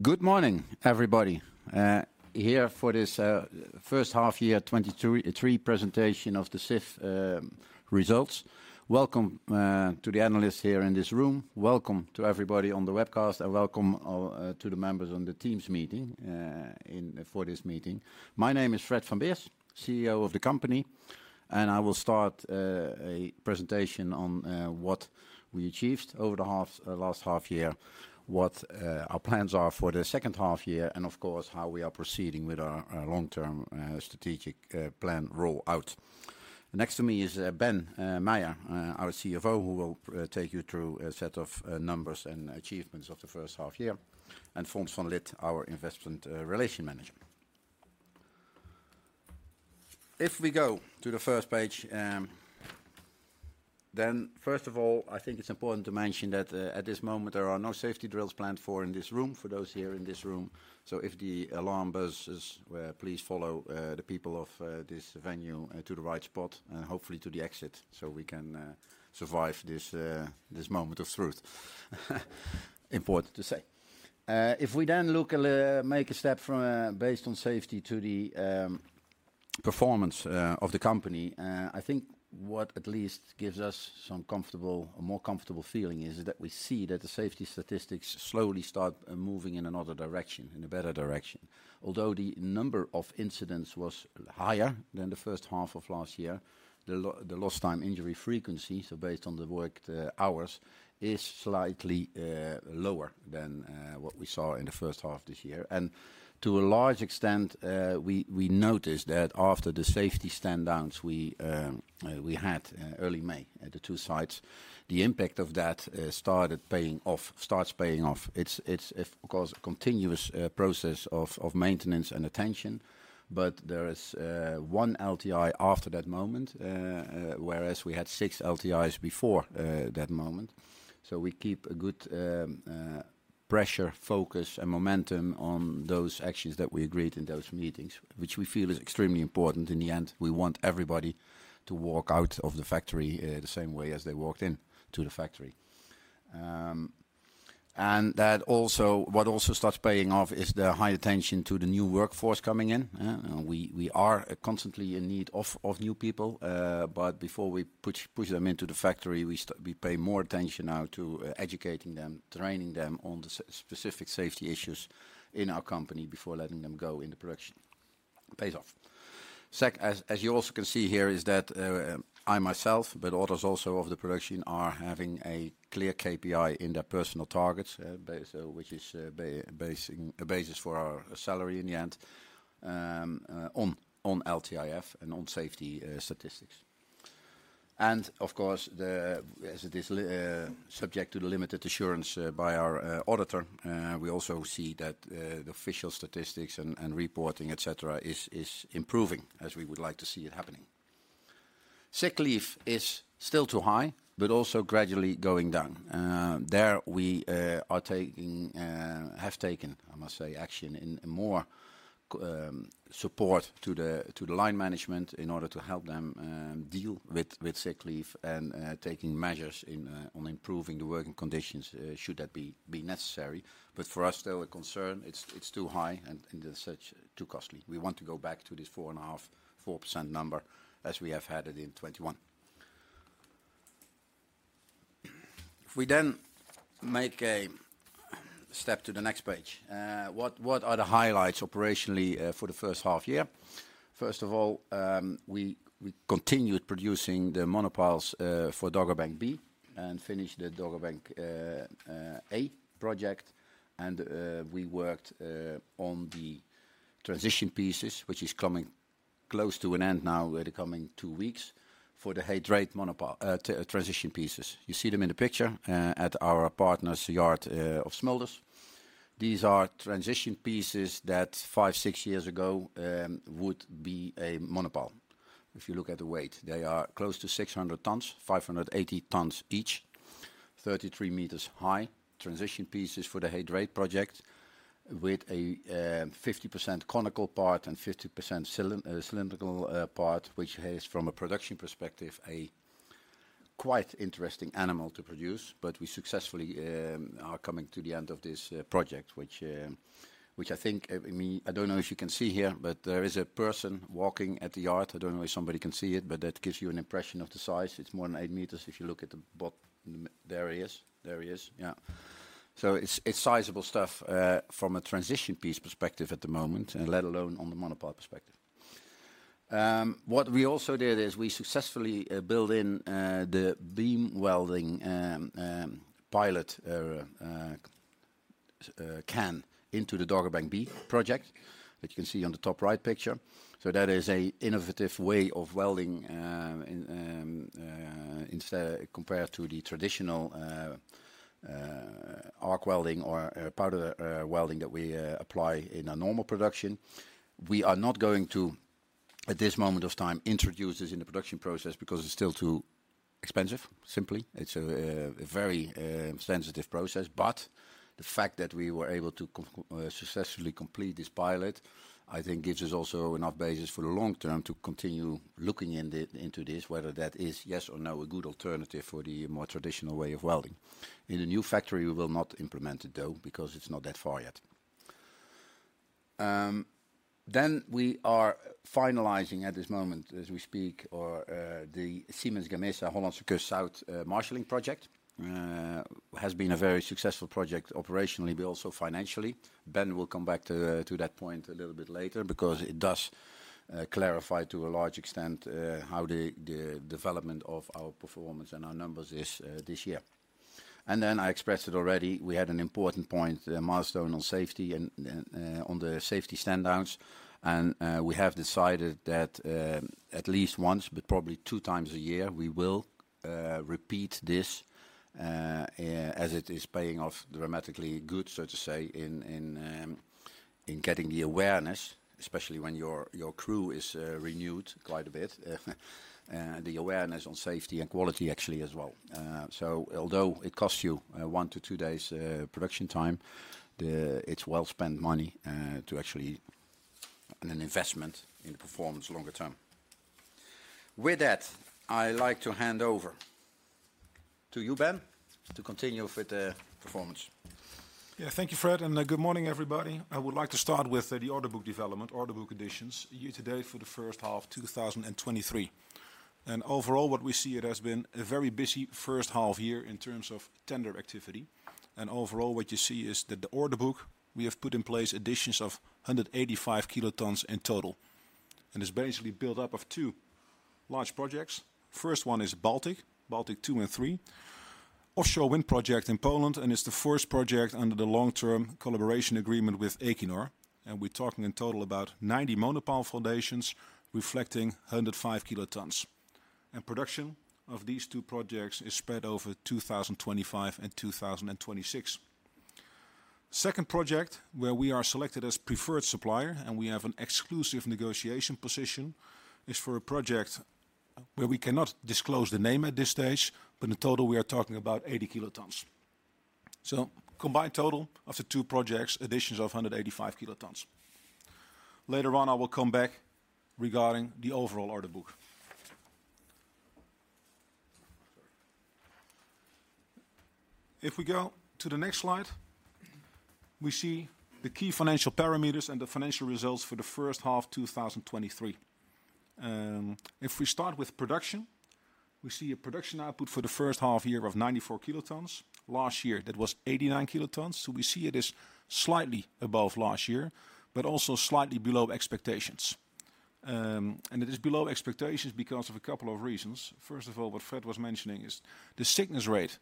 Good morning, everybody, here for this First Half Year 2023 Presentation of the Sif Results. Welcome to the analysts here in this room. Welcome to everybody on the webcast, and welcome to the members on the Teams meeting, in for this meeting. My name is Fred van Beers, CEO of the company, and I will start a presentation on what we achieved over the half last half year, what our plans are for the second half year, and of course, how we are proceeding with our long-term strategic plan roll-out. Next to me is Ben Meijer, our CFO, who will take you through a set of numbers and achievements of the first half year, and Fons van Lith, our Investor Relations manager. If we go to the first page, then first of all, I think it's important to mention that, at this moment, there are no safety drills planned for in this room, for those here in this room. So if the alarm buzzes, please follow the people of this venue to the right spot and hopefully to the exit, so we can survive this this moment of truth. Important to say. If we then look at make a step from based on safety to the performance of the company, I think what at least gives us some comfortable, a more comfortable feeling, is that we see that the safety statistics slowly start moving in another direction, in a better direction. Although the number of incidents was higher than the first half of last year, the lost time injury frequency, so based on the worked hours, is slightly lower than what we saw in the first half this year. And to a large extent, we noticed that after the safety stand downs we had in early May at the two sites, the impact of that started paying off, starts paying off. It's of course a continuous process of maintenance and attention, but there is one LTI after that moment, whereas we had six LTIs before that moment. So we keep a good pressure, focus, and momentum on those actions that we agreed in those meetings, which we feel is extremely important. In the end, we want everybody to walk out of the factory, the same way as they walked in to the factory. And that also, what also starts paying off is the high attention to the new workforce coming in. We are constantly in need of new people. But before we push them into the factory, we pay more attention now to educating them, training them on the specific safety issues in our company before letting them go in the production. It pays off. As you also can see here, is that I myself, but others also of the production, are having a clear KPI in their personal targets, so which is based on LTIF and on safety statistics. And of course, as it is subject to the limited assurance by our auditor, we also see that the official statistics and reporting, et cetera, is improving as we would like to see it happening. Sick leave is still too high, but also gradually going down. There we have taken, I must say, action in more support to the line management in order to help them deal with sick leave and taking measures on improving the working conditions, should that be necessary. But for us, though, a concern, it's too high and as such, too costly. We want to go back to this 4.5%-4% number as we have had it in 2021. If we then make a step to the next page, what, what are the highlights operationally for the first half year? First of all, we continued producing the monopiles for Dogger Bank B and finished the Dogger Bank A project. We worked on the transition pieces, which is coming close to an end now with the coming two weeks, for the He Dreiht monopile transition pieces. You see them in the picture, at our partner's yard of Smulders. These are transition pieces that five, six years ago would be a monopile. If you look at the weight, they are close to 600 tons, 580 tons each, 33 meters high. Transition pieces for the He Dreiht project with a 50% conical part and 50% cylindrical part, which is, from a production perspective, a quite interesting animal to produce. But we successfully are coming to the end of this project, which I think, I mean, I don't know if you can see here, but there is a person walking at the yard. I don't know if somebody can see it, but that gives you an impression of the size. It's more than 8 meters. If you look at the bottom. There he is. There he is, yeah. So it's sizable stuff from a transition piece perspective at the moment, and let alone on the monopile perspective. What we also did is we successfully built in the electron beam welding pilot into the Dogger Bank B project, which you can see on the top right picture. So that is an innovative way of welding instead, compared to the traditional arc welding or powder welding that we apply in a normal production. We are not going to, at this moment of time, introduce this in the production process because it's still too expensive, simply. It's a very sensitive process, but the fact that we were able to successfully complete this pilot, I think gives us also enough basis for the long term to continue looking into this, whether that is yes or no, a good alternative for the more traditional way of welding. In the new factory, we will not implement it, though, because it's not that far yet. Then we are finalizing at this moment, as we speak, or the Siemens Gamesa Hollandse Kust Zuid marshaling project. It has been a very successful project operationally, but also financially. Ben will come back to that point a little bit later, because it does clarify to a large extent how the development of our performance and our numbers is this year. And then I expressed it already, we had an important point, a milestone on safety and on the safety stand downs. We have decided that at least once, but probably 2x a year, we will repeat this, as it is paying off dramatically good, so to say, in getting the awareness, especially when your crew is renewed quite a bit. The awareness on safety and quality actually as well. So although it costs you one to two days production time, it's well spent money to actually... And an investment in performance longer term. With that, I like to hand over to you, Ben, to continue with the performance. Yeah. Thank you, Fred, and good morning, everybody. I would like to start with the order book development, order book additions, year-to-date for the first half, 2023. And overall, what we see, it has been a very busy first half year in terms of tender activity. And overall, what you see is that the order book, we have put in place additions of 185 kilotons in total, and it's basically built up of two large projects. First one is Bałtyk II and III. Offshore wind project in Poland, and it's the first project under the long-term collaboration agreement with Equinor. And we're talking in total about 90 monopile foundations, reflecting 105 kilotons. And production of these two projects is spread over 2025 and 2026. Second project, where we are selected as preferred supplier, and we have an exclusive negotiation position, is for a project where we cannot disclose the name at this stage, but in total, we are talking about 80 kilotons. So combined total of the two projects, additions of 185 kilotons. Later on, I will come back regarding the overall order book. If we go to the next slide, we see the key financial parameters and the financial results for the first half, 2023. If we start with production, we see a production output for the first half year of 94 kilotons. Last year, that was 89 kilotons. So we see it is slightly above last year, but also slightly below expectations. And it is below expectations because of a couple of reasons. First of all, what Fred was mentioning is the sickness rate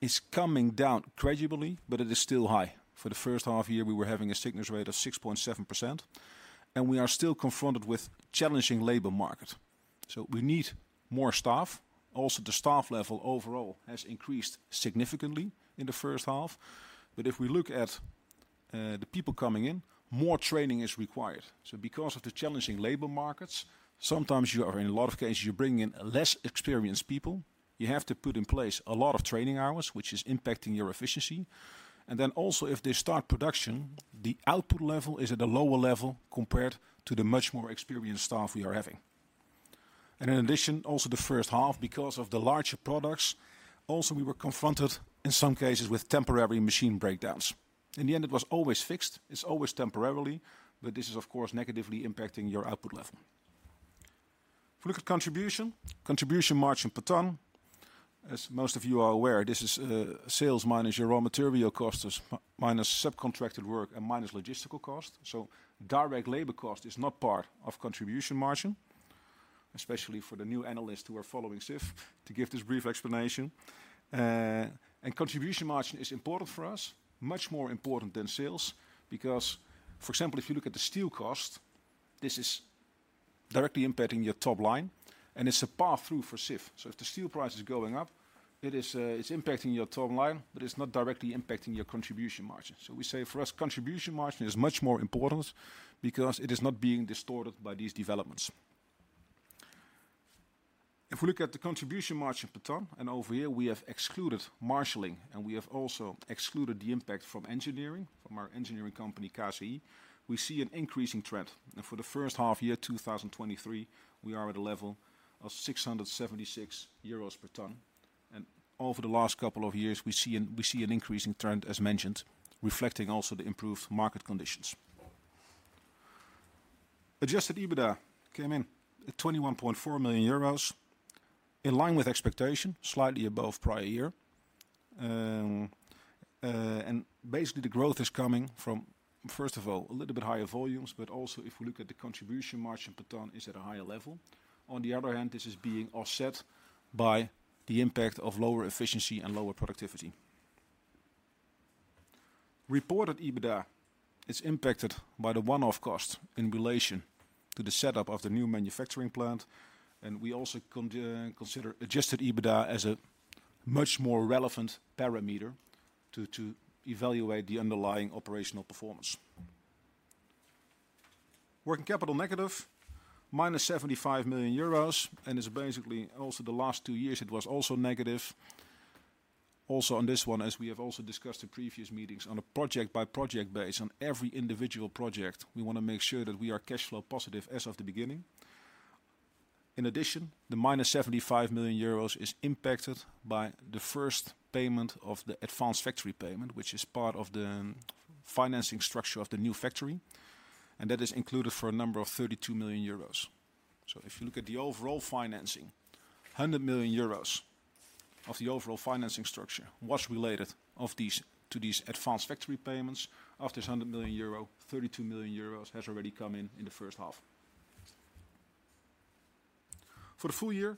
is coming down gradually, but it is still high. For the first half year, we were having a sickness rate of 6.7%, and we are still confronted with challenging labor market, so we need more staff. Also, the staff level overall has increased significantly in the first half, but if we look at, the people coming in, more training is required. So because of the challenging labor markets, sometimes you are, in a lot of cases, you're bringing in less experienced people. You have to put in place a lot of training hours, which is impacting your efficiency. And then also, if they start production, the output level is at a lower level compared to the much more experienced staff we are having. In addition, also the first half, because of the larger products, also, we were confronted, in some cases, with temporary machine breakdowns. In the end, it was always fixed. It's always temporarily, but this is, of course, negatively impacting your output level. If we look at contribution, contribution margin per ton, as most of you are aware, this is sales minus your raw material costs, minus subcontracted work, and minus logistical cost. So direct labor cost is not part of contribution margin, especially for the new analysts who are following SIF, to give this brief explanation. And contribution margin is important for us, much more important than sales, because, for example, if you look at the steel cost, this is directly impacting your top line, and it's a passthrough for SIF. So if the steel price is going up, it is, it's impacting your top line, but it's not directly impacting your contribution margin. So we say for us, contribution margin is much more important because it is not being distorted by these developments. If we look at the contribution margin per ton, and over here we have excluded marshaling, and we have also excluded the impact from engineering, from our engineering company, KCI, we see an increasing trend. And for the first half year, 2023, we are at a level of 676 euros per ton. And over the last couple of years, we see an increasing trend, as mentioned, reflecting also the improved market conditions. Adjusted EBITDA came in at 21.4 million euros, in line with expectation, slightly above prior year. And basically, the growth is coming from, first of all, a little bit higher volumes, but also, if we look at the contribution margin per ton is at a higher level. On the other hand, this is being offset by the impact of lower efficiency and lower productivity. Reported EBITDA is impacted by the one-off cost in relation to the setup of the new manufacturing plant, and we also consider adjusted EBITDA as a much more relevant parameter to evaluate the underlying operational performance. Working capital negative, minus 75 million euros, and is basically, also the last two years, it was also negative. Also, on this one, as we have also discussed in previous meetings, on a project-by-project basis, on every individual project, we want to make sure that we are cash flow positive as of the beginning. In addition, the -75 million euros is impacted by the first payment of the advanced factory payment, which is part of the financing structure of the new factory, and that is included for a number of 32 million euros. So if you look at the overall financing, 100 million euros of the overall financing structure was related of these, to these advanced factory payments. Of this 100 million euro, 32 million euros has already come in in the first half. For the full year,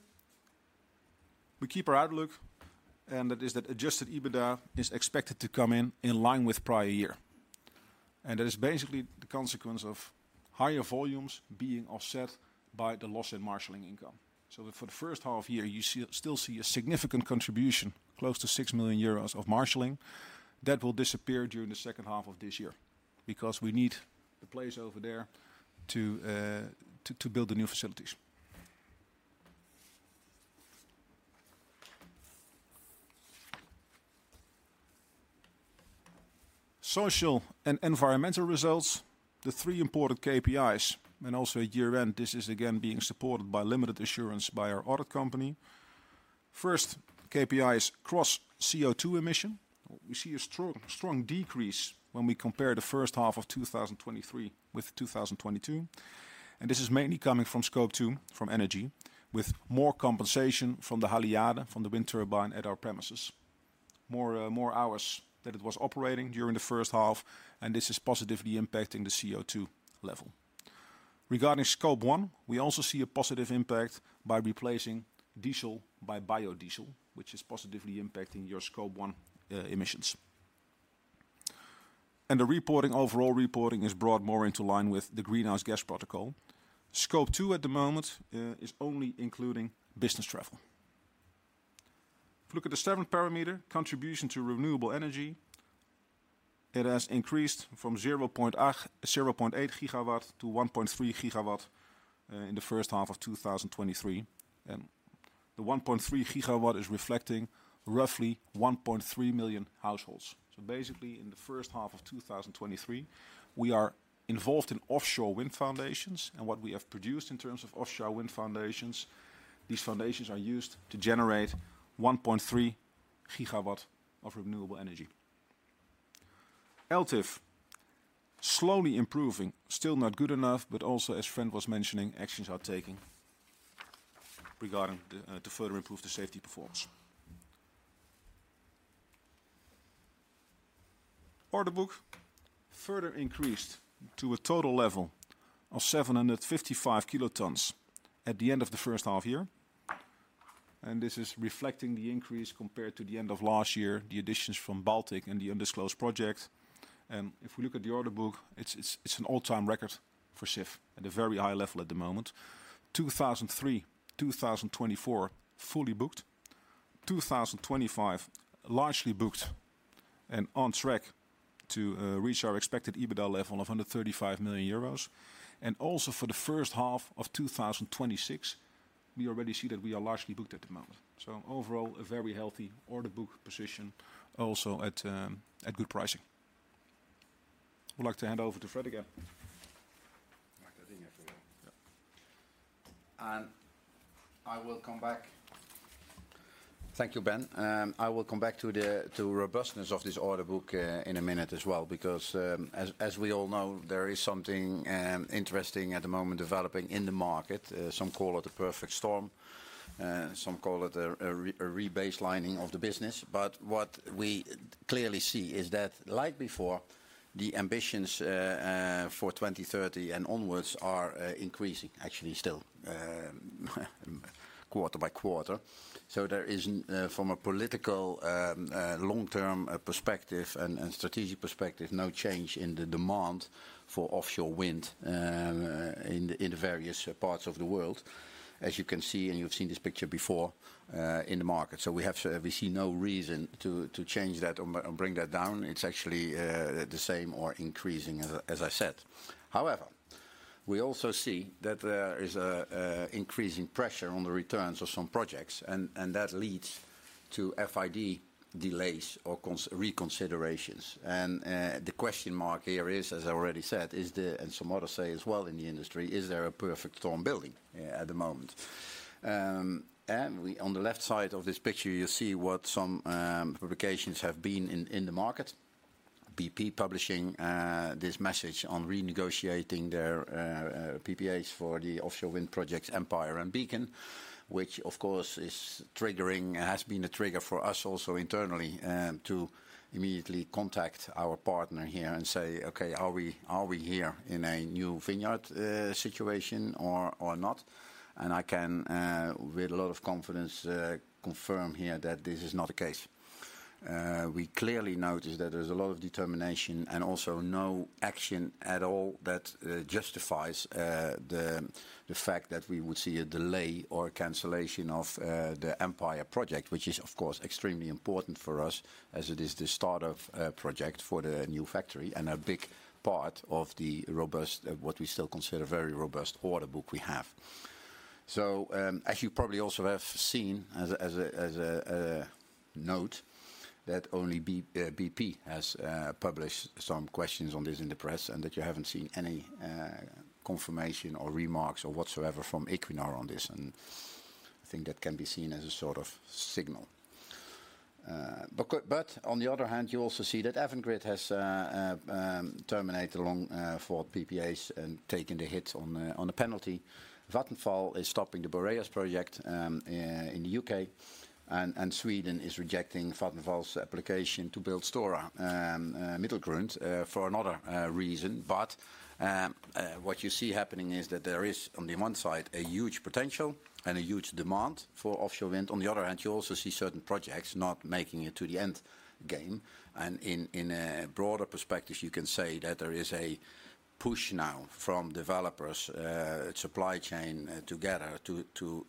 we keep our outlook, and that is that adjusted EBITDA is expected to come in, in line with prior year. And that is basically the consequence of higher volumes being offset by the loss in marshaling income. So for the first half year, you see, still see a significant contribution, close to 6 million euros of marshaling. That will disappear during the second half of this year, because we need the place over there to build the new facilities. Social and environmental results, the three important KPIs and also at year-end, this is again being supported by limited assurance by our audit company. First, KPI is gross CO2 emission. We see a strong, strong decrease when we compare the first half of 2023 with 2022, and this is mainly coming from Scope 2, from energy, with more compensation from the Haliade-X, from the wind turbine at our premises. More, more hours that it was operating during the first half, and this is positively impacting the CO2 level. Regarding Scope 1, we also see a positive impact by replacing diesel by biodiesel, which is positively impacting your Scope 1 emissions. The reporting, overall reporting is brought more into line with the Greenhouse Gas Protocol. Scope 2, at the moment, is only including business travel. If you look at the seventh parameter, contribution to renewable energy, it has increased from 0.8 GW to 1.3 GW in the first half of 2023. The 1.3 GW is reflecting roughly 1.3 million households. So basically, in the first half of 2023, we are involved in offshore wind foundations and what we have produced in terms of offshore wind foundations, these foundations are used to generate 1.3 GW of renewable energy. LTIF, slowly improving, still not good enough, but also, as Fred was mentioning, actions are taken regarding the, to further improve the safety performance. Order book further increased to a total level of 755 kilotons at the end of the first half year. This is reflecting the increase compared to the end of last year, the additions from Baltic and the undisclosed project. If we look at the order book, it's an all-time record for SIF at a very high level at the moment. 2023, 2024, fully booked. 2025, largely booked and on track to reach our expected EBITDA level of 135 million euros. Also for the first half of 2026, we already see that we are largely booked at the moment. So overall, a very healthy order book position, also at good pricing. Would like to hand over to Fred again. Like that in everywhere. Yeah. I will come back. Thank you, Ben. I will come back to the robustness of this order book in a minute as well, because as we all know, there is something interesting at the moment developing in the market. Some call it the perfect storm, some call it a rebaselining of the business. But what we clearly see is that, like before, the ambitions for 2030 and onwards are increasing, actually still, quarter by quarter. So there is from a political long-term perspective and strategic perspective, no change in the demand for offshore wind in the various parts of the world. As you can see, and you've seen this picture before, in the market. So we have to... We see no reason to change that or bring that down. It's actually the same or increasing, as I said. However, we also see that there is an increasing pressure on the returns of some projects, and that leads to FID delays or reconsiderations. The question mark here is, as I already said, is there, and some others say as well in the industry: Is there a perfect storm building at the moment? On the left side of this picture, you see what some publications have been in the market. BP publishing this message on renegotiating their PPAs for the offshore wind projects, Empire and Beacon, which of course is triggering, has been a trigger for us also internally to immediately contact our partner here and say, "Okay, are we, are we here in a new Vineyard situation or not?" And I can with a lot of confidence confirm here that this is not the case. We clearly noticed that there's a lot of determination and also no action at all that justifies the fact that we would see a delay or cancellation of the Empire project, which is, of course, extremely important for us, as it is the start of a project for the new factory and a big part of the robust what we still consider a very robust order book we have. So, as you probably also have seen, note that only BP has published some questions on this in the press, and that you haven't seen any confirmation or remarks or whatsoever from Equinor on this, and I think that can be seen as a sort of signal. But on the other hand, you also see that Avangrid has terminated along four PPAs and taken the hit on the penalty. Vattenfall is stopping the Boreas project in the U.K., and Sweden is rejecting Vattenfall's application to build Stora Middelgrund for another reason. But what you see happening is that there is, on the one side, a huge potential and a huge demand for offshore wind. On the other hand, you also see certain projects not making it to the end game, and in a broader perspective, you can say that there is a push now from developers, supply chain, together to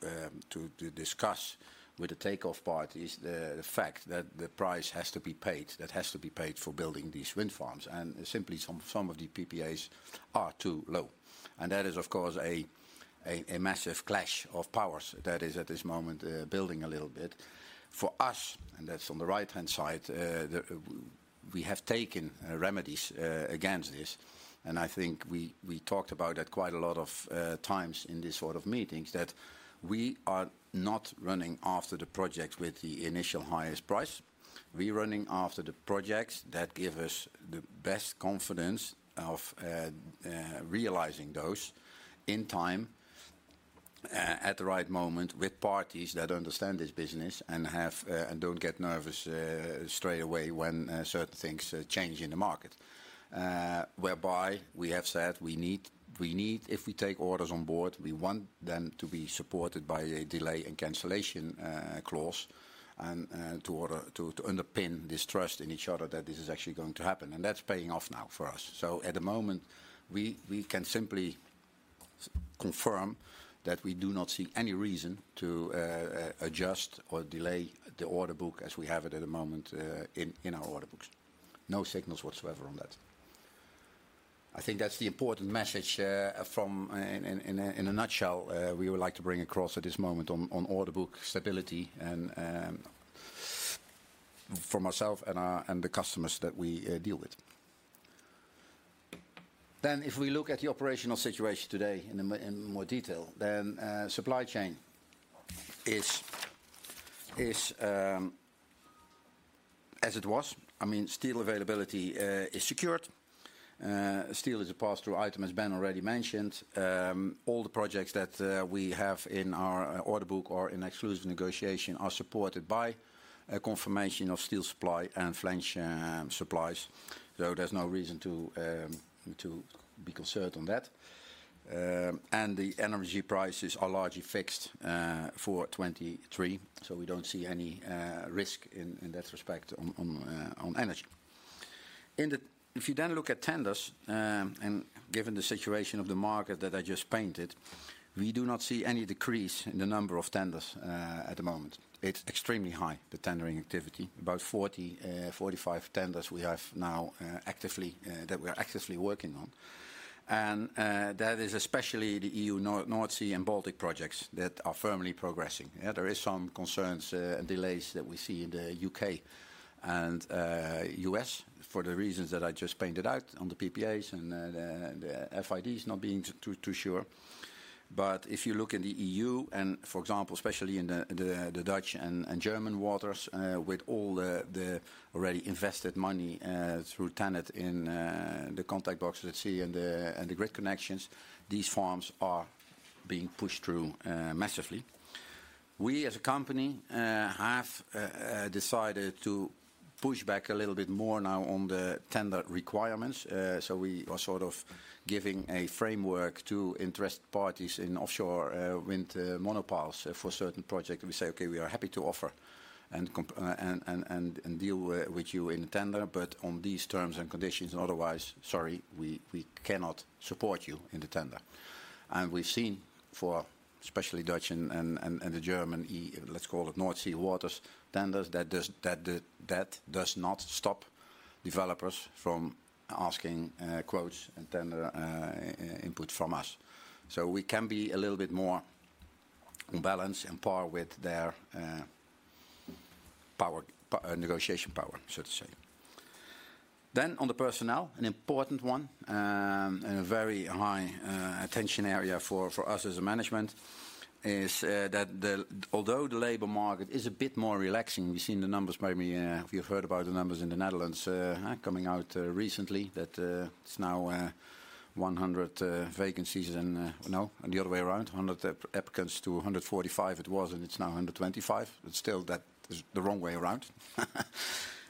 discuss with the offtake parties the fact that the price has to be paid, that has to be paid for building these wind farms, and simply some of the PPAs are too low. And that is, of course, a massive clash of powers that is, at this moment, building a little bit. For us, and that's on the right-hand side, the, we have taken, remedies, against this, and I think we, we talked about that quite a lot of, times in these sort of meetings, that we are not running after the projects with the initial highest price. We're running after the projects that give us the best confidence of, realizing those in time, at the right moment, with parties that understand this business and have, and don't get nervous, straight away when, certain things, change in the market. Whereby we have said we need, we need, if we take orders on board, we want them to be supported by a delay and cancellation, clause, and, to order, to, to underpin this trust in each other that this is actually going to happen. That's paying off now for us. At the moment, we can simply confirm that we do not see any reason to adjust or delay the order book as we have it at the moment in our order books. No signals whatsoever on that. I think that's the important message from in a nutshell we would like to bring across at this moment on order book stability and from ourself and the customers that we deal with. If we look at the operational situation today in more detail, then supply chain is as it was. I mean, steel availability is secured. Steel is a pass-through item, as Ben already mentioned. All the projects that we have in our order book or in exclusive negotiation are supported by a confirmation of steel supply and flange supplies, so there's no reason to be concerned on that. And the energy prices are largely fixed for 2023, so we don't see any risk in that respect on energy. If you then look at tenders and given the situation of the market that I just painted, we do not see any decrease in the number of tenders at the moment. It's extremely high, the tendering activity. About 40-45 tenders we have now actively that we are actively working on. And that is especially the EU North Sea and Baltic projects that are firmly progressing. Yeah, there is some concerns and delays that we see in the U.K. and U.S. for the reasons that I just pointed out on the PPAs and the FIDs not being too sure. But if you look in the EU, and for example, especially in the Dutch and German waters, with all the already invested money through TenneT in the connection box, let's see, and the grid connections, these farms are being pushed through massively. We, as a company, have decided to push back a little bit more now on the tender requirements. So we are sort of giving a framework to interest parties in offshore wind monopiles. For certain projects, we say, "Okay, we are happy to offer and come and deal with you in the tender, but on these terms and conditions, and otherwise, sorry, we cannot support you in the tender." We've seen for especially Dutch and the German E- let's call it North Sea waters, tenders that does not stop developers from asking quotes and tender input from us. So we can be a little bit more balanced and par with their power negotiation power, so to say. Then on the personnel, an important one, and a very high attention area for us as a management, is that the... Although the labor market is a bit more relaxing, we've seen the numbers, maybe, if you've heard about the numbers in the Netherlands, coming out recently, that it's now 100 vacancies and, no, and the other way around, 100 applicants to 145 it was, and it's now 125. It's still, that is the wrong way around.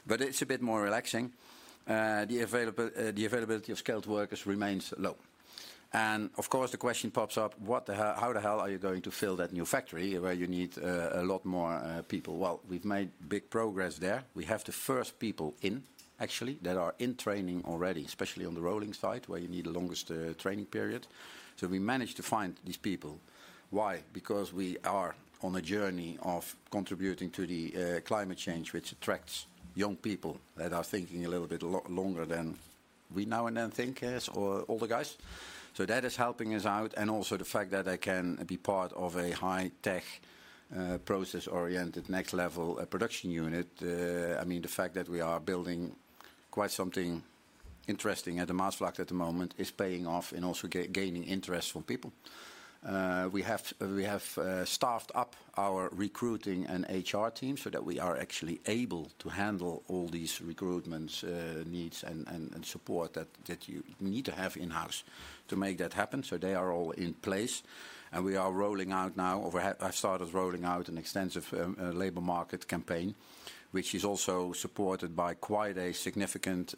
But it's a bit more relaxing. The availability of skilled workers remains low. And of course, the question pops up, what the hell, how the hell are you going to fill that new factory where you need a lot more people? Well, we've made big progress there. We have the first people in, actually, that are in training already, especially on the rolling side, where you need the longest training period. So we managed to find these people. Why? Because we are on a journey of contributing to the climate change, which attracts young people that are thinking a little bit longer than we now and then think as older guys. So that is helping us out, and also the fact that they can be part of a high tech, process-oriented, next level production unit. I mean, the fact that we are building quite something interesting at the Maasvlakte at the moment is paying off and also gaining interest from people. We have staffed up our recruiting and HR team so that we are actually able to handle all these recruitments needs and support that you need to have in-house to make that happen. So they are all in place, and we are rolling out now, or I've started rolling out an extensive labor market campaign, which is also supported by quite a significant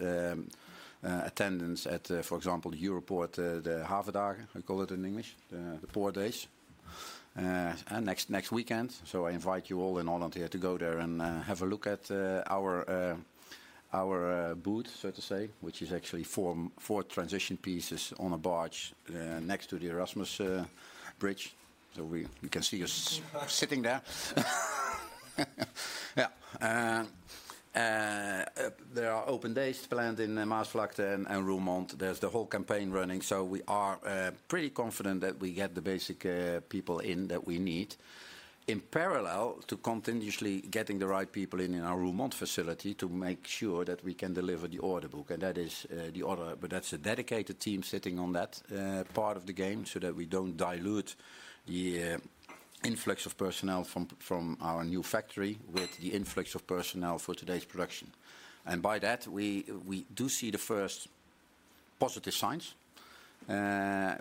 attendance at, for example, the Europort, the Havendagen. I call it in English, the Port Days. And next weekend, so I invite you all in Holland here to go there and have a look at our booth, so to say, which is actually four transition pieces on a barge next to the Erasmus Bridge. So you can see us sitting there. Yeah. There are open days planned in the Maasvlakte and Roermond. There's the whole campaign running, so we are pretty confident that we get the basic people in that we need. In parallel to continuously getting the right people in our Roermond facility to make sure that we can deliver the order book, and that is the order. But that's a dedicated team sitting on that part of the game so that we don't dilute the influx of personnel from our new factory with the influx of personnel for today's production. And by that, we do see the first positive signs,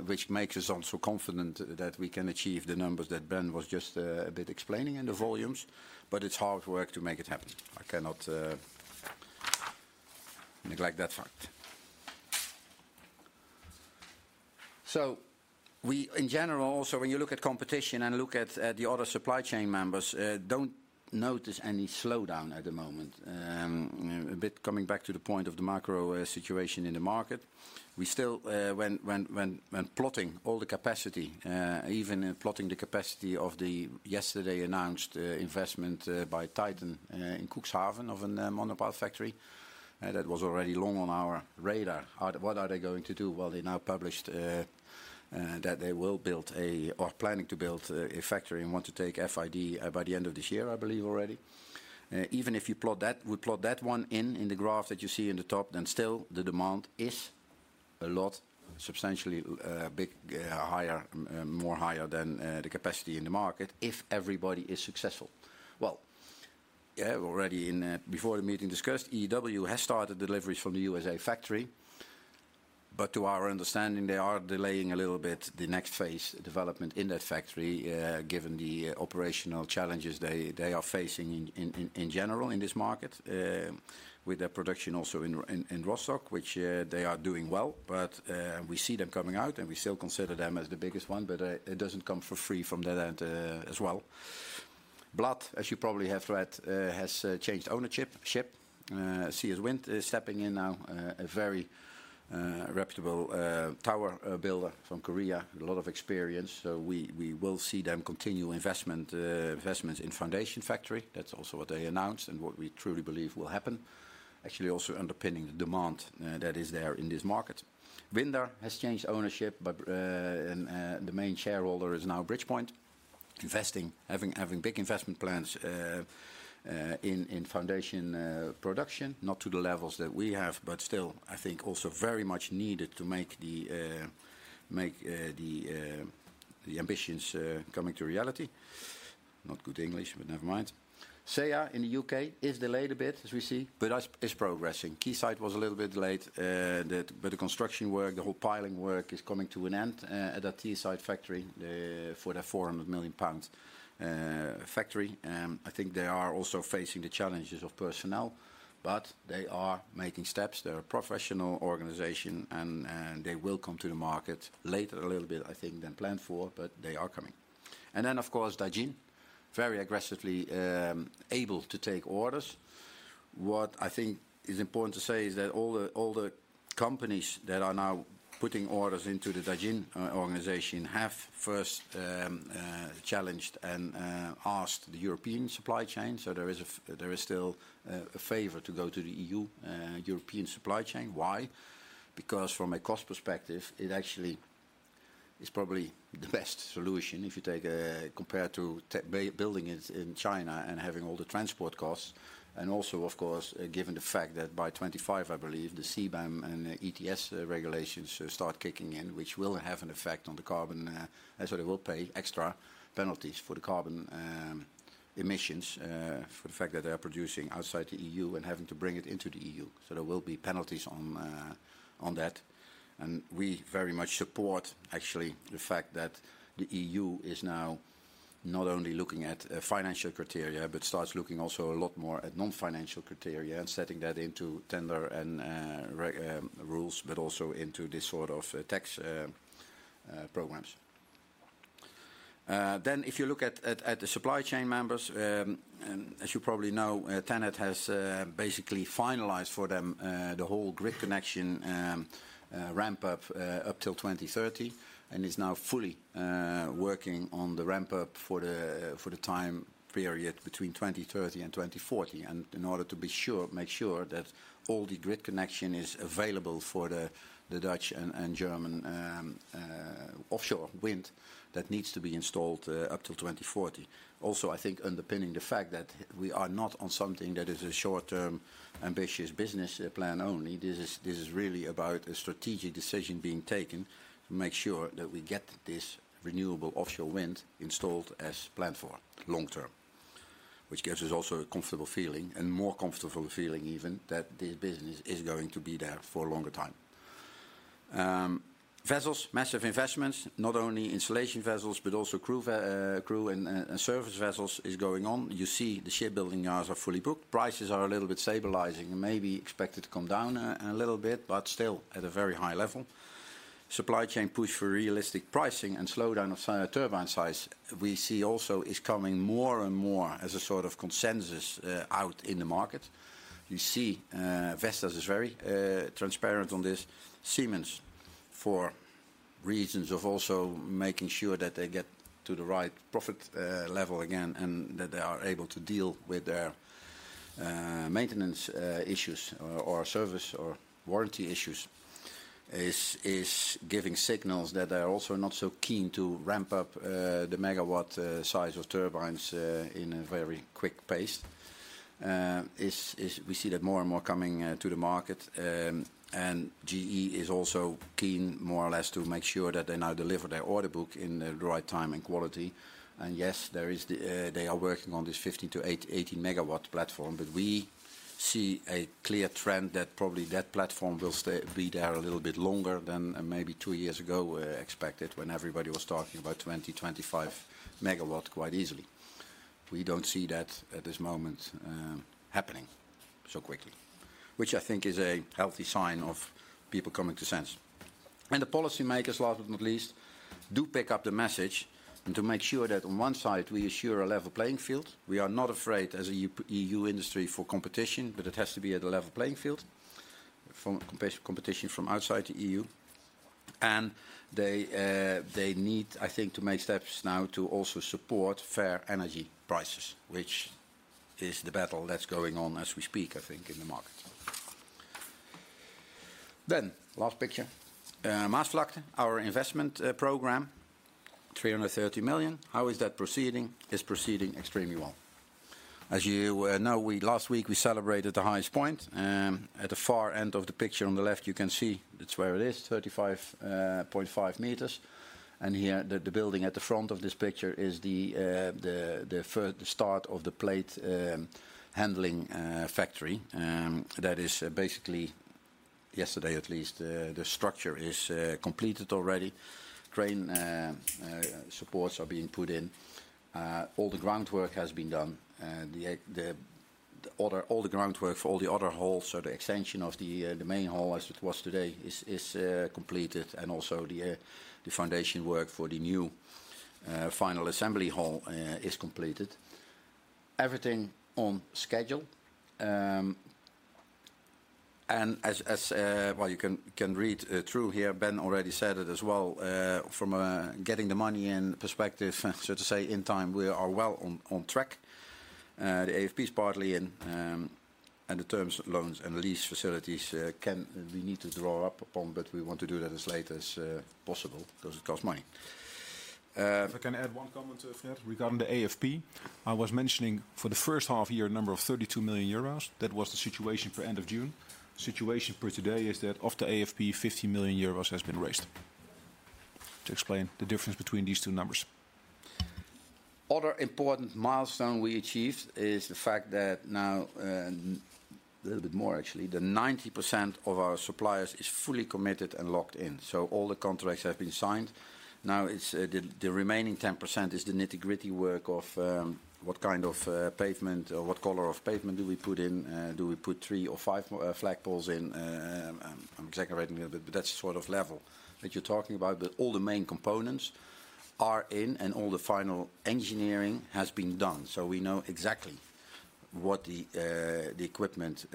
which makes us also confident that we can achieve the numbers that Ben was just a bit explaining and the volumes, but it's hard work to make it happen. I cannot neglect that fact. So we, in general, also, when you look at competition and look at the other supply chain members, don't notice any slowdown at the moment. A bit coming back to the point of the macro situation in the market, we still, when plotting all the capacity, even when plotting the capacity of the yesterday announced investment by Titan in Cuxhaven of a monopile factory, and that was already long on our radar. What are they going to do? Well, they now published that they will build a or planning to build a factory and want to take FID by the end of this year, I believe, already. Even if you plot that- we plot that one in the graph that you see in the top, then still the demand is a lot substantially big, higher, more higher than the capacity in the market if everybody is successful. Well, yeah, already in before the meeting discussed, EW has started deliveries from the USA factory, but to our understanding, they are delaying a little bit the next phase development in that factory, given the operational challenges they are facing in general in this market, with their production also in Rostock, which they are doing well, but we see them coming out, and we still consider them as the biggest one, but it doesn't come for free from that end, as well. Bladt, as you probably have read, has changed ownership. CS Wind is stepping in now, a very reputable tower builder from Korea, a lot of experience, so we will see them continue investments in foundation factory. That's also what they announced and what we truly believe will happen. Actually, also underpinning the demand that is there in this market. Windar has changed ownership, but, and the main shareholder is now Bridgepoint, investing, having big investment plans in foundation production, not to the levels that we have, but still, I think also very much needed to make the ambitions coming to reality. Not good English, but never mind. SeAH in the UK is delayed a bit, as we see, but is progressing. Quayside was a little bit late, but the construction work, the whole piling work is coming to an end, at that Teesside factory, for the 400 million pounds factory. I think they are also facing the challenges of personnel, but they are making steps. They're a professional organization, and they will come to the market later, a little bit, I think, than planned for, but they are coming. And then, of course, Dajin, very aggressively, able to take orders. What I think is important to say is that all the companies that are now putting orders into the Daehan organization have first challenged and asked the European supply chain. So there is still a favor to go to the EU European supply chain. Why? Because from a cost perspective, it actually is probably the best solution if you take a... compared to building it in China and having all the transport costs, and also, of course, given the fact that by 2025, I believe, the CBAM and ETS regulations start kicking in, which will have an effect on the carbon, and so they will pay extra penalties for the carbon emissions for the fact that they are producing outside the EU and having to bring it into the EU. So there will be penalties on that. And we very much support actually the fact that the EU is now not only looking at financial criteria, but starts looking also a lot more at non-financial criteria and setting that into tender and rules, but also into this sort of tax programs. Then if you look at the supply chain members, as you probably know, TenneT has basically finalized for them the whole grid connection ramp up up till 2030, and is now fully working on the ramp up for the time period between 2030 and 2040. And in order to be sure, make sure that all the grid connection is available for the Dutch and German offshore wind that needs to be installed up till 2040. Also, I think underpinning the fact that we are not on something that is a short-term, ambitious business plan only. This is really about a strategic decision being taken to make sure that we get this renewable offshore wind installed as planned for long term, which gives us also a comfortable feeling and more comfortable feeling even that this business is going to be there for a longer time. Vessels, massive investments, not only installation vessels, but also crew and surface vessels is going on. You see the shipbuilding yards are fully booked. Prices are a little bit stabilizing and may be expected to come down a little bit, but still at a very high level. Supply chain push for realistic pricing and slowdown of turbine size, we see also is coming more and more as a sort of consensus out in the market. You see, Vestas is very transparent on this. Siemens, for reasons of also making sure that they get to the right profit level again, and that they are able to deal with their maintenance issues or service or warranty issues, is giving signals that they are also not so keen to ramp up the megawatt size of turbines in a very quick pace. We see that more and more coming to the market. And GE is also keen, more or less, to make sure that they now deliver their order book in the right time and quality. And yes, there is the... They are working on this 15- to 18-MW platform, but we see a clear trend that probably that platform will stay, be there a little bit longer than maybe 2 years ago expected, when everybody was talking about 20, 25 MW quite easily. We don't see that at this moment happening so quickly, which I think is a healthy sign of people coming to sense. The policymakers, last but not least, do pick up the message and to make sure that on one side we assure a level playing field. We are not afraid as an EU industry for competition, but it has to be at a level playing field from competition from outside the EU. They need, I think, to make steps now to also support fair energy prices, which is the battle that's going on as we speak, I think, in the market. Then, last picture. Maasvlakte, our investment program, 330 million. How is that proceeding? It's proceeding extremely well. As you know, last week we celebrated the highest point. At the far end of the picture on the left, you can see it's where it is, 35.5 meters. And here, the building at the front of this picture is the start of the plate handling factory. That is basically, yesterday at least, the structure is completed already. Crane supports are being put in. All the groundwork has been done, all the groundwork for all the other halls. So the extension of the main hall as it was today is completed, and also the foundation work for the new final assembly hall is completed. Everything on schedule. And as well, you can read through here, Ben already said it as well, from getting the money in perspective, so to say, in time, we are well on track. The AFP is partly in, and the terms of loans and lease facilities can. We need to draw up upon, but we want to do that as late as possible because it costs money. If I can add one comment, Fred, regarding the AFP. I was mentioning for the first half year, a number of 32 million euros. That was the situation for end of June. Situation for today is that of the AFP, 50 million euros has been raised. To explain the difference between these two numbers. Other important milestone we achieved is the fact that now, a little bit more actually, the 90% of our suppliers is fully committed and locked in, so all the contracts have been signed. Now, it's the remaining 10% is the nitty-gritty work of what kind of pavement or what color of pavement do we put in? Do we put three or five flagpoles in? I'm exaggerating a little bit, but that's the sort of level that you're talking about. But all the main components are in, and all the final engineering has been done, so we know exactly what the equipment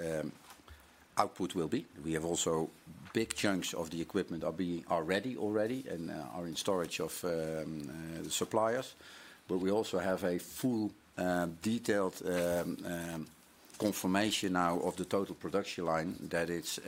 output will be. We have also big chunks of the equipment are ready already and are in storage of the suppliers. But we also have a full, detailed, confirmation now of the total production line that it's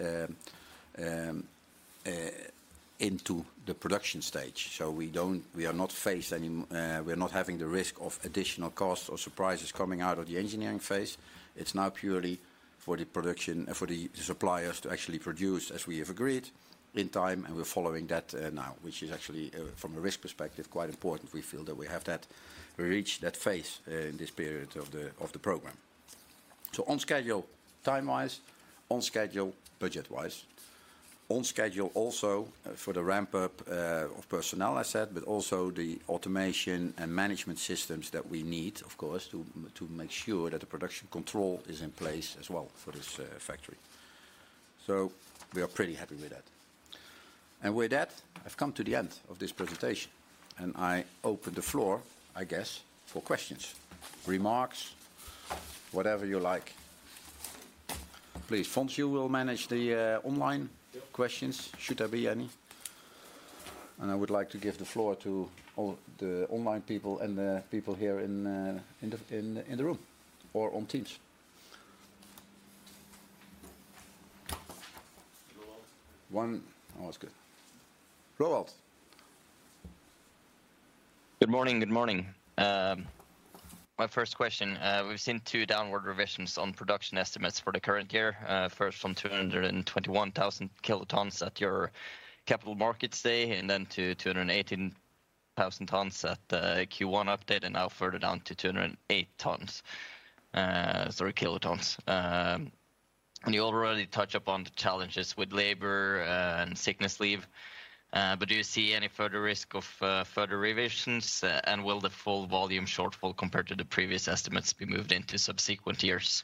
into the production stage. So we are not having the risk of additional costs or surprises coming out of the engineering phase. It's now purely for the production, for the suppliers to actually produce, as we have agreed in time, and we're following that, now, which is actually, from a risk perspective, quite important. We feel that we have that, we reached that phase, in this period of the program. So on schedule, time-wise, on schedule, budget-wise, on schedule also, for the ramp up, of personnel, I said, but also the automation and management systems that we need, of course, to, to make sure that the production control is in place as well for this, factory. So we are pretty happy with that. And with that, I've come to the end of this presentation, and I open the floor, I guess, for questions, remarks?... Whatever you like. Please, Fons, you will manage the, online questions, should there be any? And I would like to give the floor to all the online people and the people here in, in the, in, in the room or on Teams. Roelof? Oh, that's good. Roelof. Good morning, good morning. My first question, we've seen two downward revisions on production estimates for the current year. First from 221,000 kilotons at your capital markets day, and then to 218,000 tons at the Q1 update, and now further down to 208 tons, sorry, kilotons. And you already touch upon the challenges with labor, and sickness leave. But do you see any further risk of further revisions, and will the full volume shortfall compared to the previous estimates be moved into subsequent years?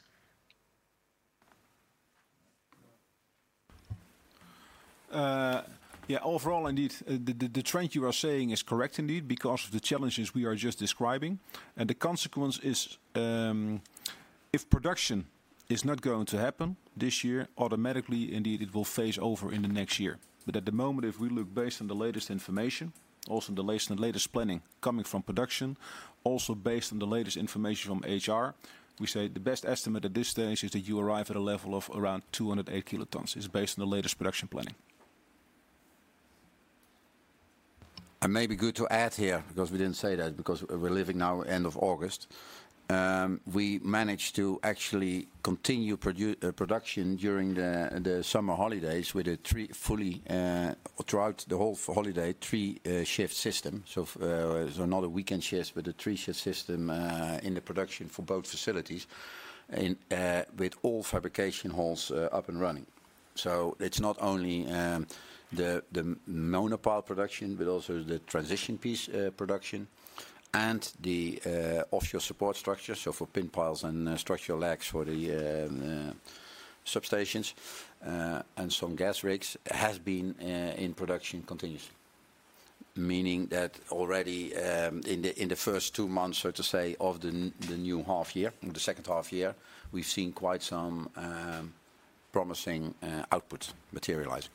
Yeah, overall, indeed, the trend you are saying is correct indeed, because of the challenges we are just describing. And the consequence is, if production is not going to happen this year, automatically, indeed, it will phase over in the next year. But at the moment, if we look based on the latest information, also the latest planning coming from production, also based on the latest information from HR, we say the best estimate at this stage is that you arrive at a level of around 208 kilotons. It's based on the latest production planning. It may be good to add here, because we didn't say that, because we're living now end of August. We managed to actually continue production during the summer holidays, with a three fully throughout the whole holiday, three shift system. So, so not a weekend shifts, but a three-shift system in the production for both facilities and with all fabrication halls up and running. So it's not only the monopile production, but also the transition piece production and the offshore support structure, so for pin piles and structural legs for the substations and some gas rigs, has been in production continuous. Meaning that already in the first two months, so to say, of the new half year, in the second half year, we've seen quite some promising outputs materialize.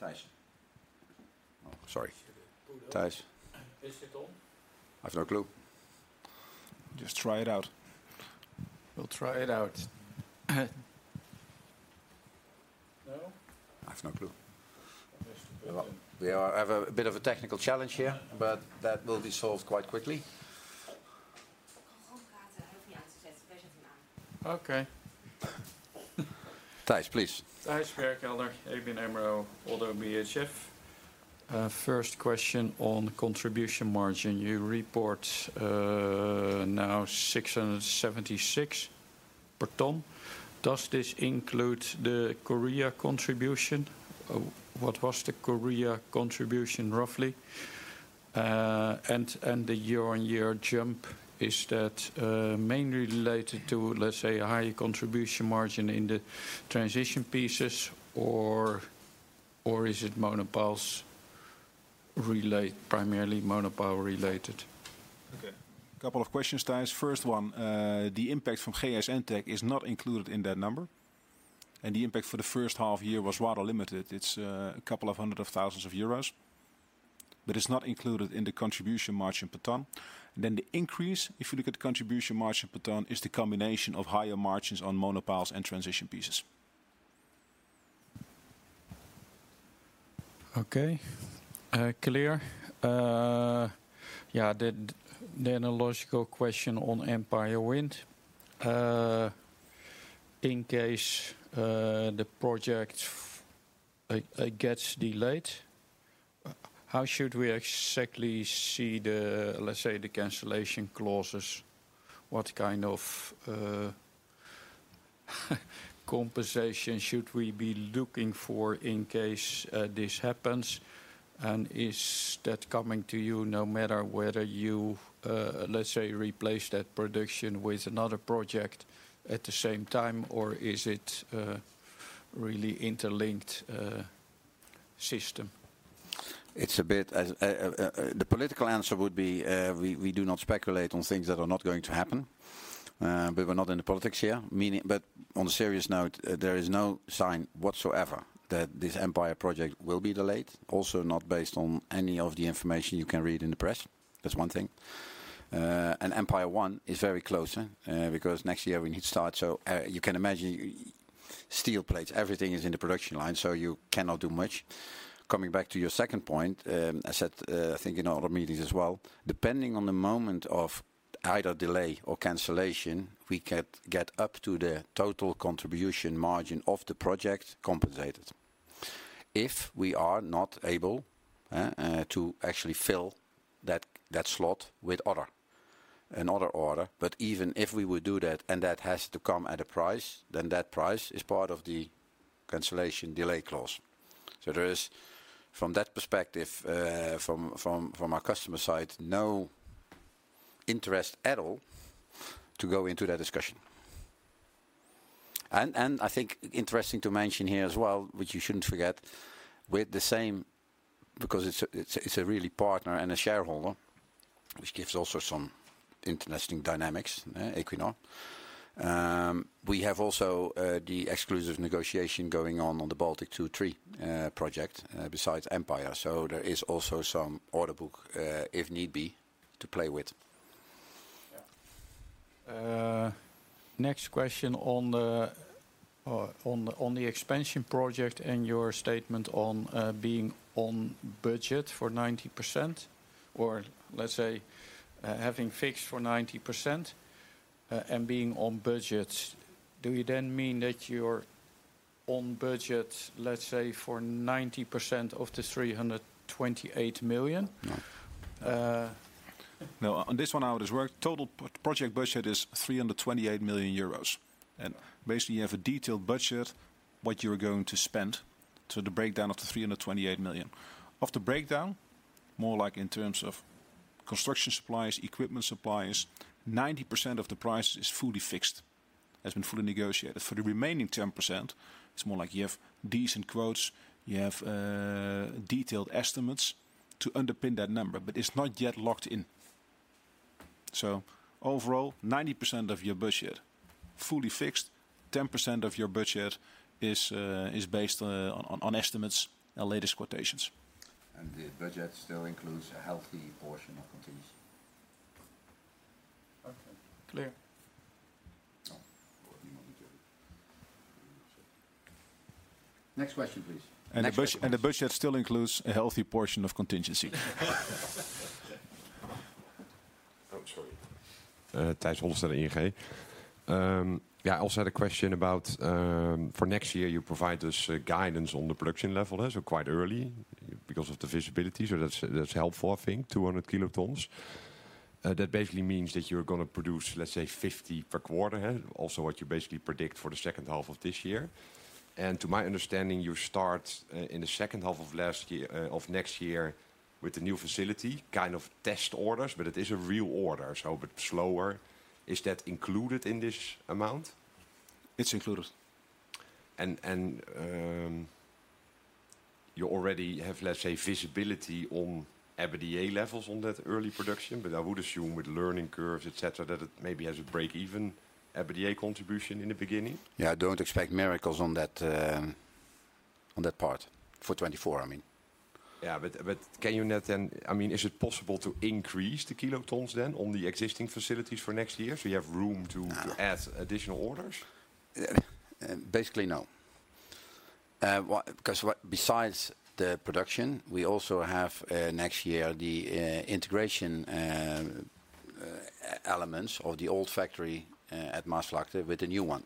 Thijs. Oh, sorry, Thijs. Is this on? I've no clue. Just try it out. We'll try it out. No? I have no clue. We have a bit of a technical challenge here, but that will be solved quite quickly. Okay. Thijs, please. Thijs Berkelder, ABN AMRO/ODDO BHF. First question on contribution margin. You report now 676 per ton. Does this include the Korea contribution? What was the Korea contribution, roughly? And the year-on-year jump, is that mainly related to, let's say, a higher contribution margin in the transition pieces, or is it primarily monopile related? Okay. Couple of questions, Thijs. First one, the impact from GS Entec is not included in that number, and the impact for the first half year was rather limited. It's a couple of hundred thousand EUR, but it's not included in the contribution margin per ton. Then the increase, if you look at the contribution margin per ton, is the combination of higher margins on monopiles and transition pieces. Okay, clear. Yeah, then a logical question on Empire Wind. In case the project gets delayed, how should we exactly see the, let's say, the cancellation clauses? What kind of compensation should we be looking for in case this happens? And is that coming to you no matter whether you, let's say, replace that production with another project at the same time, or is it a really interlinked system? It's a bit the political answer would be, we do not speculate on things that are not going to happen, but we're not in the politics here. Meaning... But on a serious note, there is no sign whatsoever that this Empire project will be delayed, also not based on any of the information you can read in the press. That's one thing. And Empire One is very close, because next year we need to start. So you can imagine, steel plates, everything is in the production line, so you cannot do much. Coming back to your second point, I said, I think in other meetings as well, depending on the moment of either delay or cancellation, we can get up to the total contribution margin of the project compensated. If we are not able to actually fill that slot with another order, but even if we would do that, and that has to come at a price, then that price is part of the cancellation delay clause. So there is, from that perspective, from our customer's side, no interest at all to go into that discussion. And I think interesting to mention here as well, which you shouldn't forget, with the same, because it's a really partner and a shareholder, which gives also some interesting dynamics, Equinor. We have also the exclusive negotiation going on on the Bałtyk II and III project, besides Empire. So there is also some order book, if need be, to play with. Yeah. Next question on the expansion project and your statement on being on budget for 90%, or let's say, having fixed for 90%, and being on budget. Do you then mean that you're on budget, let's say, for 90% of the 328 million? No. Uh- No, on this one, how it is work, total project budget is 328 million euros. And basically, you have a detailed budget, what you're going to spend, so the breakdown of the 328 million. Of the breakdown, more like in terms of construction supplies, equipment supplies, 90% of the price is fully fixed, has been fully negotiated. For the remaining 10%, it's more like you have decent quotes, you have detailed estimates to underpin that number, but it's not yet locked in. So overall, 90% of your budget fully fixed, 10% of your budget is based on estimates and latest quotations. The budget still includes a healthy portion of contingency. Okay, clear. Oh. Next question, please. The budget still includes a healthy portion of contingency. Oh, sorry. Tysons at ING. Yeah, I also had a question about, for next year, you provide us, guidance on the production level, so quite early, because of the visibility. So that's, that's helpful, I think, 200 kilotons. That basically means that you're gonna produce, let's say, 50 per quarter, also what you basically predict for the second half of this year. And to my understanding, you start, in the second half of last year, of next year with the new facility, kind of test orders, but it is a real order, so but slower. Is that included in this amount? It's included. You already have, let's say, visibility on EBITDA levels on that early production, but I would assume with learning curves, et cetera, that it maybe has a break even EBITDA contribution in the beginning? Yeah, don't expect miracles on that, on that part, for 2024, I mean. Yeah, but, but can you not then... I mean, is it possible to increase the kilotons then on the existing facilities for next year, so you have room to- No... add additional orders? Basically, no. Because what-- besides the production, we also have, next year, the integration elements of the old factory at Maasvlakte with the new one.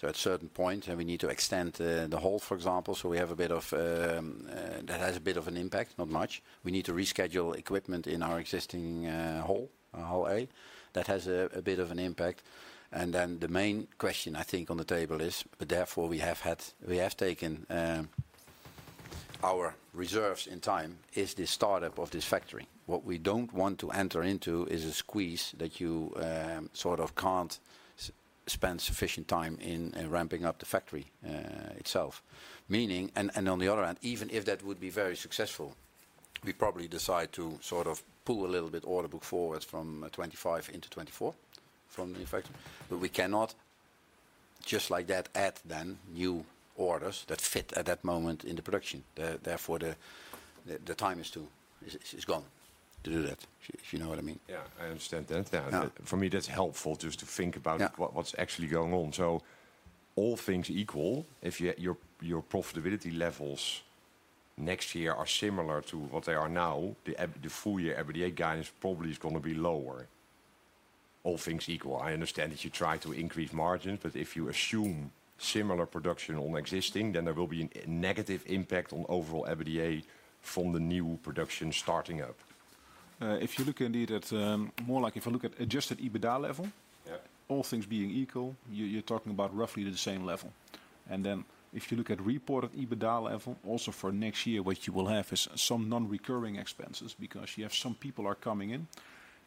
So at certain point, and we need to extend the hall, for example, so we have a bit of that has a bit of an impact, not much. We need to reschedule equipment in our existing hall, Hall A. That has a bit of an impact. And then the main question, I think, on the table is, therefore, we have taken our reserves in time, is the startup of this factory. What we don't want to enter into is a squeeze that you sort of can't spend sufficient time in ramping up the factory itself. Meaning, and on the other hand, even if that would be very successful, we'd probably decide to sort of pull a little bit order book forward from 25 into 24 from the factory. But we cannot just like that, add then new orders that fit at that moment in the production. Therefore, the time is gone to do that, if you know what I mean. Yeah, I understand that. Yeah. For me, that's helpful just to think about- Yeah... what's actually going on. So all things equal, if your profitability levels next year are similar to what they are now, the full year EBITDA guidance probably is gonna be lower. All things equal, I understand that you try to increase margins, but if you assume similar production on existing, then there will be a negative impact on overall EBITDA from the new production starting up. If you look indeed at, more like if you look at adjusted EBITDA level- Yeah... all things being equal, you're, you're talking about roughly the same level. And then if you look at reported EBITDA level, also for next year, what you will have is some non-recurring expenses because you have some people are coming in,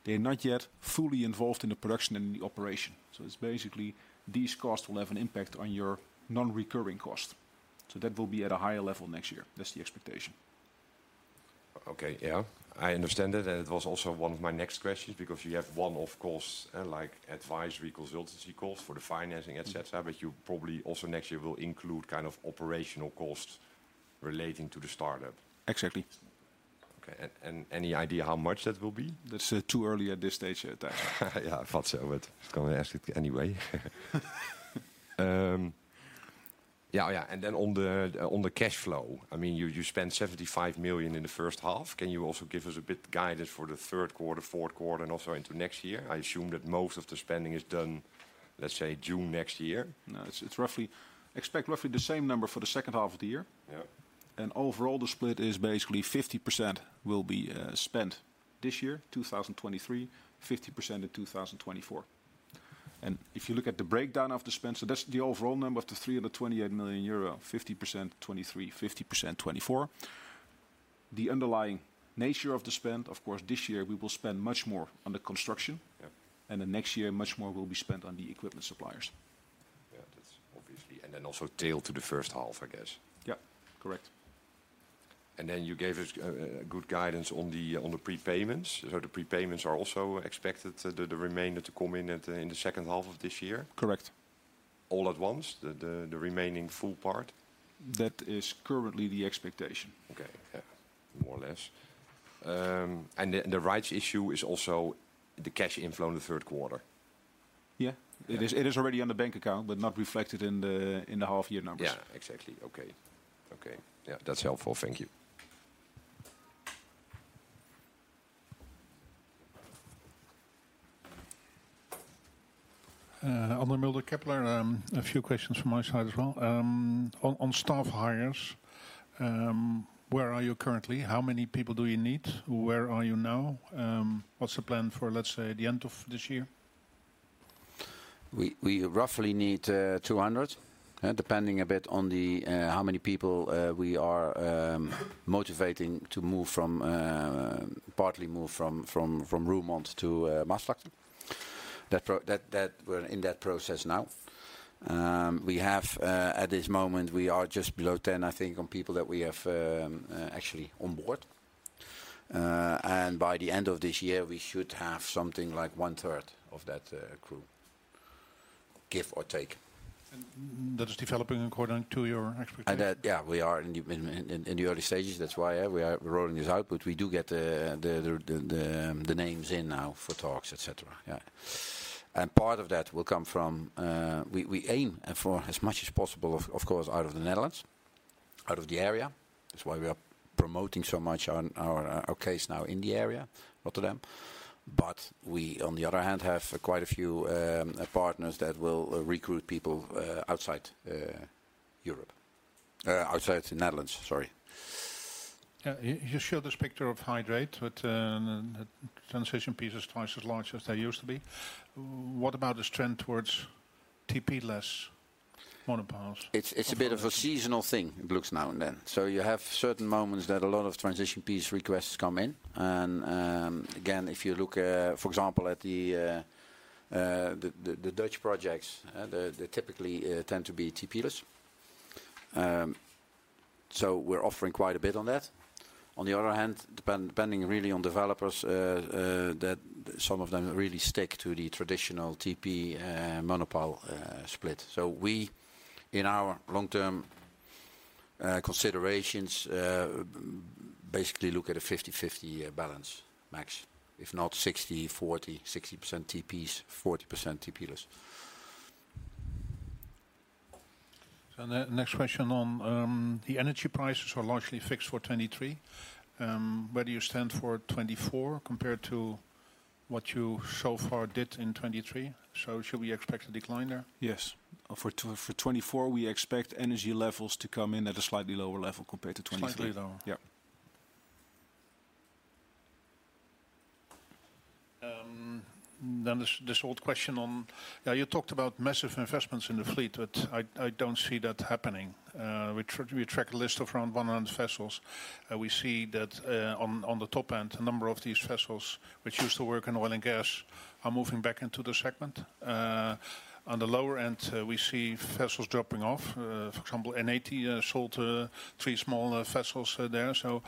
they're not yet fully involved in the production and the operation. So it's basically these costs will have an impact on your non-recurring cost. So that will be at a higher level next year. That's the expectation. Okay. Yeah, I understand that, and it was also one of my next questions, because you have one, of course, like advisory consultancy cost for the financing, et cetera- Mm-hmm... but you probably also next year will include kind of operational costs relating to the startup. Exactly. Okay, and any idea how much that will be? That's too early at this stage, at that time. Yeah, I thought so, but gonna ask it anyway. Yeah, and then on the cash flow, I mean, you spent 75 million in the first half. Can you also give us a bit guidance for the third quarter, fourth quarter, and also into next year? I assume that most of the spending is done, let's say, June next year. No, it's roughly... Expect roughly the same number for the second half of the year. Yeah. Overall, the split is basically 50% will be spent this year, 2023, 50% in 2024. If you look at the breakdown of the spend, so that's the overall number of the 328 million euro, 50% 2023, 50% 2024.... The underlying nature of the spend, of course, this year we will spend much more on the construction. Yeah. The next year, much more will be spent on the equipment suppliers. Yeah, that's obvious, and then also tied to the first half, I guess? Yeah, correct. And then you gave us a good guidance on the, on the prepayments. So the prepayments are also expected, so the, the remainder to come in at the, in the second half of this year? Correct. All at once, the remaining full part? That is currently the expectation. Okay. Yeah, more or less. And the rights issue is also the cash inflow in the third quarter? Yeah. Yeah. It is already on the bank account, but not reflected in the half year numbers. Yeah, exactly. Okay. Okay. Yeah, that's helpful. Thank you. André Mulder, Kepler, a few questions from my side as well. On staff hires, where are you currently? How many people do you need? Where are you now? What's the plan for, let's say, the end of this year? We roughly need 200, depending a bit on how many people we are motivating to move from, partly move from Roermond to Maasvlakte. That... We're in that process now. We have, at this moment, we are just below 10, I think, on people that we have actually on board. And by the end of this year, we should have something like one third of that crew, give or take. That is developing according to your expectation? Yeah, we are in the early stages. That's why we are rolling this out, but we do get the names in now for talks, et cetera. Yeah. And part of that will come from we aim for, as much as possible, of course, out of the Netherlands, out of the area. That's why we are promoting so much on our case now in the area, Rotterdam. But on the other hand, we have quite a few partners that will recruit people outside Europe. Outside the Netherlands, sorry. Yeah. You showed this picture of height, but the transition piece is twice as large as they used to be. What about the trend towards TP-less monopiles? It's a bit of a seasonal thing, it looks now and then. So you have certain moments that a lot of transition piece requests come in, and again, if you look, for example, at the Dutch projects, they typically tend to be TP-less. So we're offering quite a bit on that. On the other hand, depending really on developers, that some of them really stick to the traditional TP monopile split. So we, in our long-term considerations, basically look at a 50/50 balance max, if not 60/40, 60% TPs, 40% TP-less. Next question on the energy prices are largely fixed for 2023. Where do you stand for 2024 compared to what you so far did in 2023? Should we expect a decline there? Yes. For 2024, we expect energy levels to come in at a slightly lower level compared to 2023. Slightly lower? Yeah. Then this old question on... you talked about massive investments in the fleet, but I don't see that happening. We track a list of around 100 vessels, and we see that on the top end, a number of these vessels, which used to work in oil and gas, are moving back into the segment. On the lower end, we see vessels dropping off. For example, NAT sold three smaller vessels there. So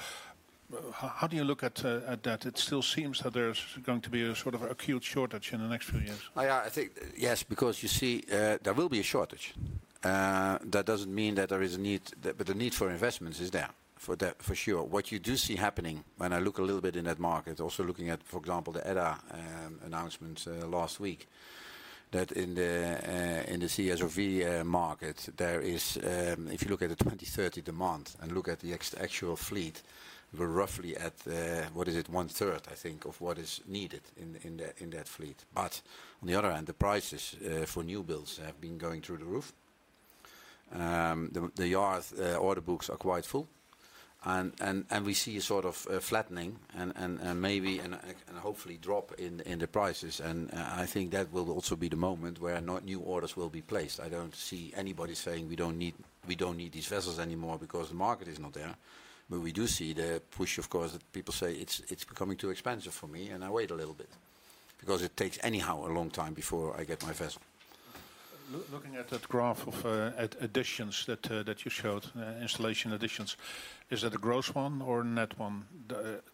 how do you look at that? It still seems that there's going to be a sort of acute shortage in the next few years. I think, yes, because you see, there will be a shortage. That doesn't mean that there is a need, but the need for investments is there, for that for sure. What you do see happening, when I look a little bit in that market, also looking at, for example, the Edda announcement last week, that in the CSOV market, there is, if you look at the 2030 demand and look at the existing actual fleet, we're roughly at, what is it? One third, I think, of what is needed in that fleet. But on the other hand, the prices for new builds have been going through the roof. The yard order books are quite full, and we see a sort of flattening and maybe, and hopefully, a drop in the prices. I think that will also be the moment where not new orders will be placed. I don't see anybody saying: "We don't need, we don't need these vessels anymore because the market is not there." But we do see the push, of course, people say: "It's becoming too expensive for me, and I wait a little bit because it takes anyhow a long time before I get my vessel. Looking at that graph of additions that you showed, installation additions, is that a gross one or a net one?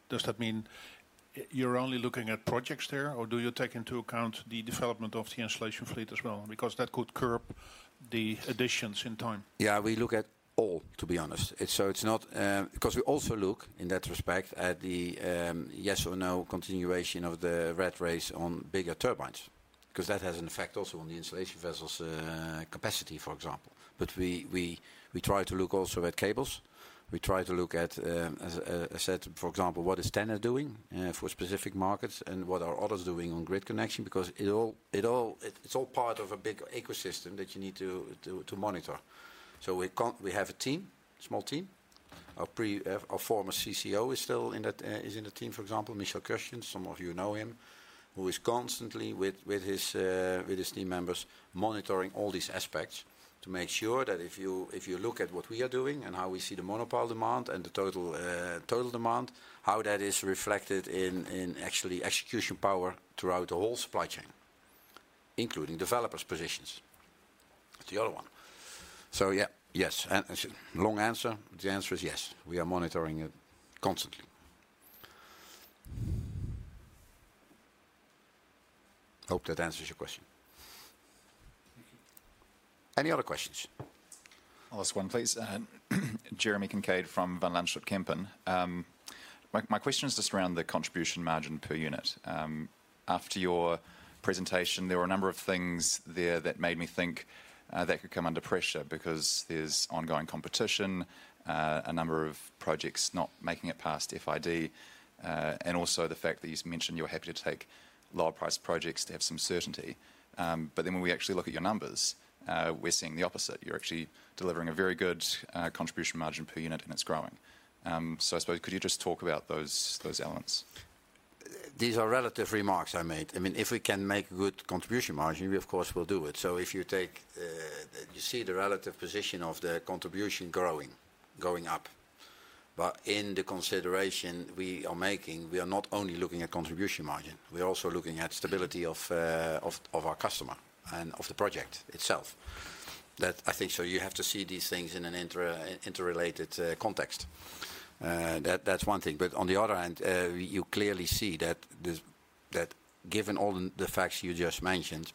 Does that mean you're only looking at projects there, or do you take into account the development of the installation fleet as well? Because that could curb the additions in time. Yeah, we look at all, to be honest. It's, so it's not. 'Cause we also look, in that respect, at the yes or no continuation of the rat race on bigger turbines, 'cause that has an effect also on the installation vessels' capacity, for example. But we, we, we try to look also at cables. We try to look at, as I said, for example, what is TenneT doing, for specific markets and what are others doing on grid connection? Because it's all part of a big ecosystem that you need to, to, to monitor. So we have a team, small team. Our pre-, our former CCO is still in that, is in the team, for example, Michel Kurstjens, some of you know him, who is constantly with, with his, with his team members, monitoring all these aspects... to make sure that if you, if you look at what we are doing and how we see the monopile demand and the total, total demand, how that is reflected in, in actually execution power throughout the whole supply chain, including developers' positions. That's the other one. So yeah, yes, and it's a long answer, but the answer is yes, we are monitoring it constantly. Hope that answers your question. Any other questions? I'll ask one, please. Jeremy Kincaid from Van Lanschot Kempen. My question is just around the contribution margin per unit. After your presentation, there were a number of things there that made me think that could come under pressure because there's ongoing competition, a number of projects not making it past FID, and also the fact that you mentioned you're happy to take lower price projects to have some certainty. But then when we actually look at your numbers, we're seeing the opposite. You're actually delivering a very good contribution margin per unit, and it's growing. So I suppose could you just talk about those elements? These are relative remarks I made. I mean, if we can make good contribution margin, we of course, will do it. So if you take, you see the relative position of the contribution growing, going up. But in the consideration we are making, we are not only looking at contribution margin, we are also looking at stability of our customer and of the project itself. That I think. So you have to see these things in an intra-interrelated context. That, that's one thing, but on the other hand, you clearly see that this - that given all the facts you just mentioned,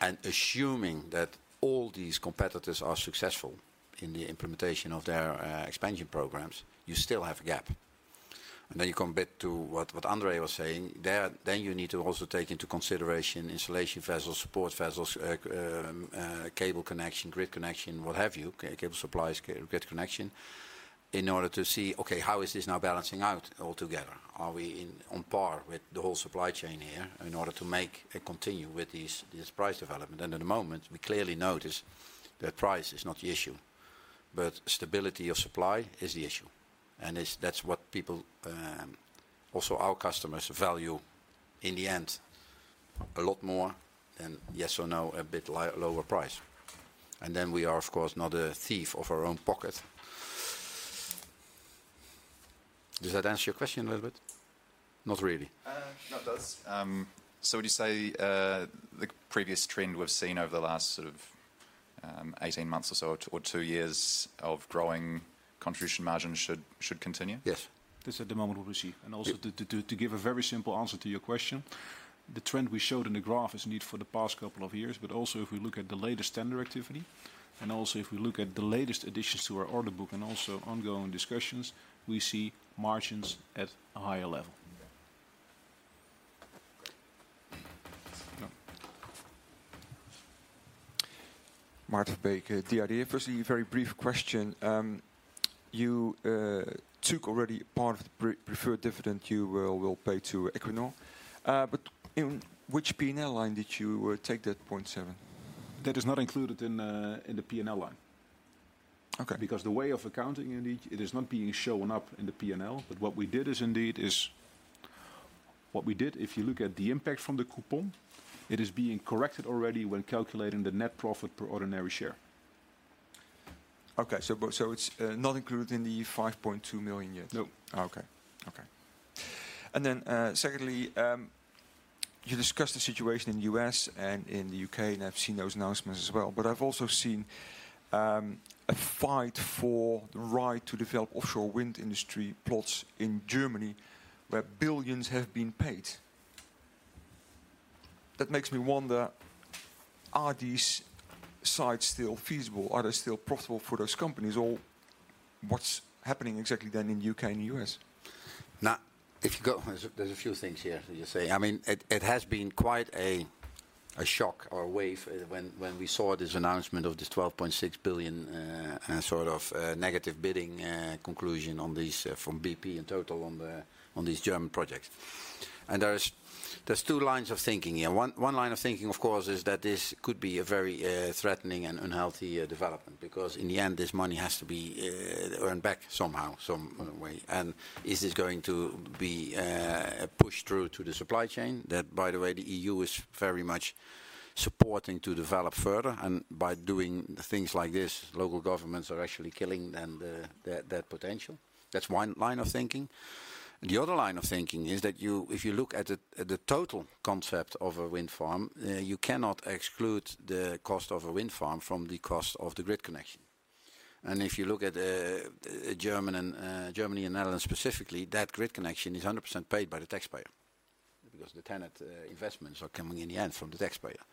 and assuming that all these competitors are successful in the implementation of their expansion programs, you still have a gap. And then you come a bit to what André was saying, there, then you need to also take into consideration installation vessels, support vessels, cable connection, grid connection, what have you, cable supplies, grid connection, in order to see, okay, how is this now balancing out altogether? Are we in, on par with the whole supply chain here in order to make and continue with this, this price development? And at the moment, we clearly notice that price is not the issue, but stability of supply is the issue. And that's what people, also our customers value in the end, a lot more than, yes or no, a bit lower price. And then we are, of course, not a thief of our own pocket. Does that answer your question a little bit? Not really. No, it does. So would you say the previous trend we've seen over the last sort of 18 months or so or two years of growing contribution margins should continue? Yes. This at the moment, we will see. Yes. Also, to give a very simple answer to your question, the trend we showed in the graph is indeed for the past couple of years, but also if we look at the latest tender activity, and also if we look at the latest additions to our order book and also ongoing discussions, we see margins at a higher level. Yeah. Maerthn Beek, DAF. Firstly, very brief question. You took already part of the preferred dividend you will pay to Equinor. But in which P&L line did you take that 0.7? That is not included in the P&L line. Okay. Because the way of accounting you need, it is not being shown up in the P&L. But what we did is indeed... What we did, if you look at the impact from the coupon, it is being corrected already when calculating the net profit per ordinary share. Okay, so it's not included in the 5.2 million yet? No. Okay. Okay. And then, secondly, you discussed the situation in the U.S. and in the U.K., and I've seen those announcements as well. But I've also seen a fight for the right to develop offshore wind industry plots in Germany, where billions have been paid. That makes me wonder, are these sites still feasible? Are they still profitable for those companies, or what's happening exactly then in the U.K. and U.S.? Now, if you go, there's a few things here, as you say. I mean, it has been quite a shock or a wave when we saw this announcement of this 12.6 billion sort of negative bidding conclusion on these from BP in total on these German projects. And there's two lines of thinking here. One line of thinking, of course, is that this could be a very threatening and unhealthy development, because in the end, this money has to be earned back somehow, some way. And is this going to be pushed through to the supply chain? That, by the way, the EU is very much supporting to develop further, and by doing things like this, local governments are actually killing then that potential. That's one line of thinking. The other line of thinking is that you, if you look at the total concept of a wind farm, you cannot exclude the cost of a wind farm from the cost of the grid connection. And if you look at German and Germany and Netherlands specifically, that grid connection is 100% paid by the taxpayer, because the TenneT investments are coming in the end from the taxpayer.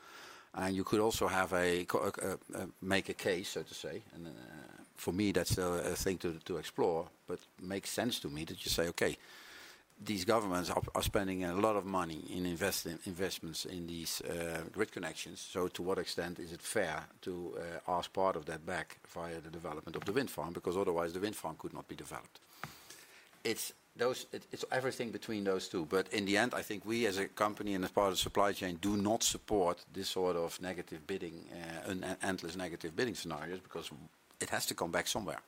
And you could also have a case, so to say, and, for me, that's a thing to explore, but makes sense to me that you say: Okay, these governments are spending a lot of money in investments in these grid connections, so to what extent is it fair to ask part of that back via the development of the wind farm? Because otherwise, the wind farm could not be developed. It's those - it, it's everything between those two. But in the end, I think we, as a company and as part of the supply chain, do not support this sort of negative bidding, an endless negative bidding scenarios, because it has to come back somewhere.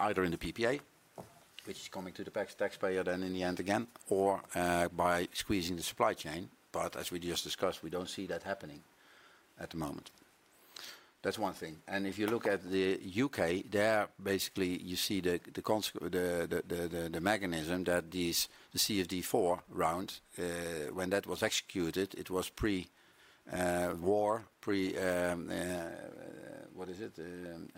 either in the PPA, which is coming to the taxpayer then in the end again, or by squeezing the supply chain. But as we just discussed, we don't see that happening at the moment. That's one thing. And if you look at the U.K., there basically you see the consequence, the mechanism that the round, when that was executed, it was pre war, pre what is it? Russian.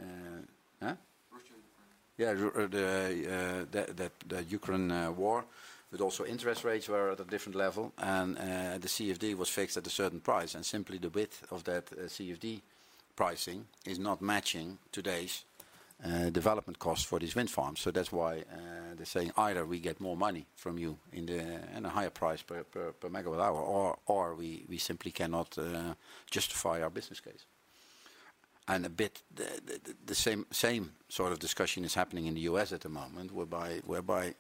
Yeah, the Ukraine war, but also interest rates were at a different level. And the CFD was fixed at a certain price, and simply the width of that CFD pricing is not matching today's development costs for these wind farms. So that's why they're saying, "Either we get more money from you in a higher price per megawatt hour, or we simply cannot justify our business case." And a bit the same sort of discussion is happening in the US at the moment, whereby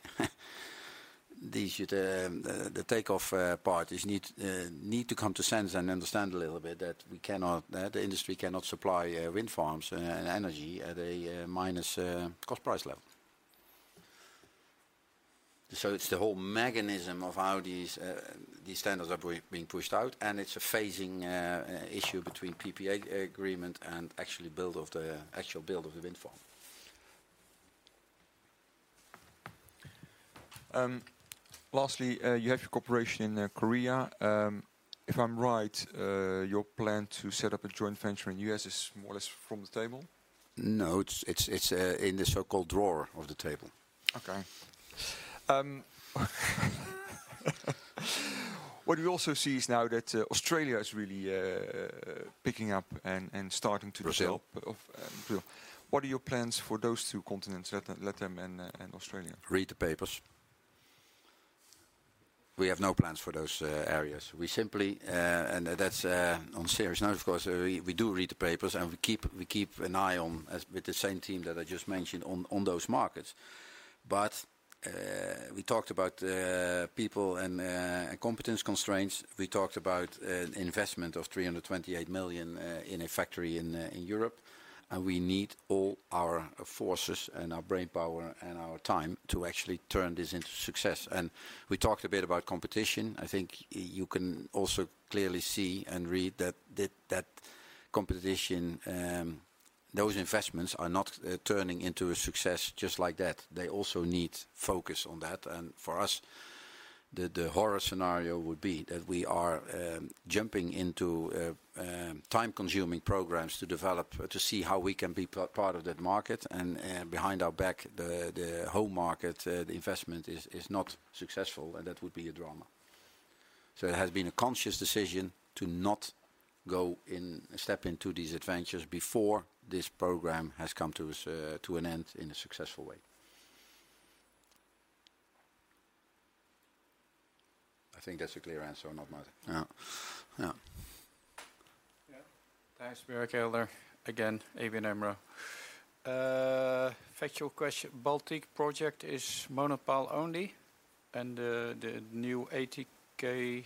the takeoff parties need to come to sense and understand a little bit, that we cannot, the industry cannot supply wind farms and energy at a minus cost price level. So it's the whole mechanism of how these standards are being pushed out, and it's a phasing issue between PPA agreement and actually build of the actual build of the wind farm. Lastly, you have your cooperation in Korea. If I'm right, your plan to set up a joint venture in U.S. is more or less from the table? No, it's in the so-called drawer of the table. Okay. What we also see is now that Australia is really picking up and starting to develop- Brazil. Brazil. What are your plans for those two continents, Latin and Australia? Read the papers. We have no plans for those areas. We simply... And that's on serious note, of course, we do read the papers, and we keep an eye on with the same team that I just mentioned, on those markets. But we talked about people and competence constraints. We talked about investment of 328 million in a factory in Europe, and we need all our forces and our brainpower and our time to actually turn this into success. And we talked a bit about competition. I think you can also clearly see and read that the competition, those investments are not turning into a success just like that. They also need focus on that, and for us, the horror scenario would be that we are jumping into time-consuming programs to develop to see how we can be part of that market, and behind our back, the home market, the investment is not successful, and that would be a drama. So it has been a conscious decision to not go in, step into these adventures before this program has come to us to an end, in a successful way. I think that's a clear answer, or not, Maarten? Yeah. Yeah. Yeah. Thanks, Thijs Berkelder. Again, ABN AMRO. Factual question. Baltic project is monopile only, and the new 80K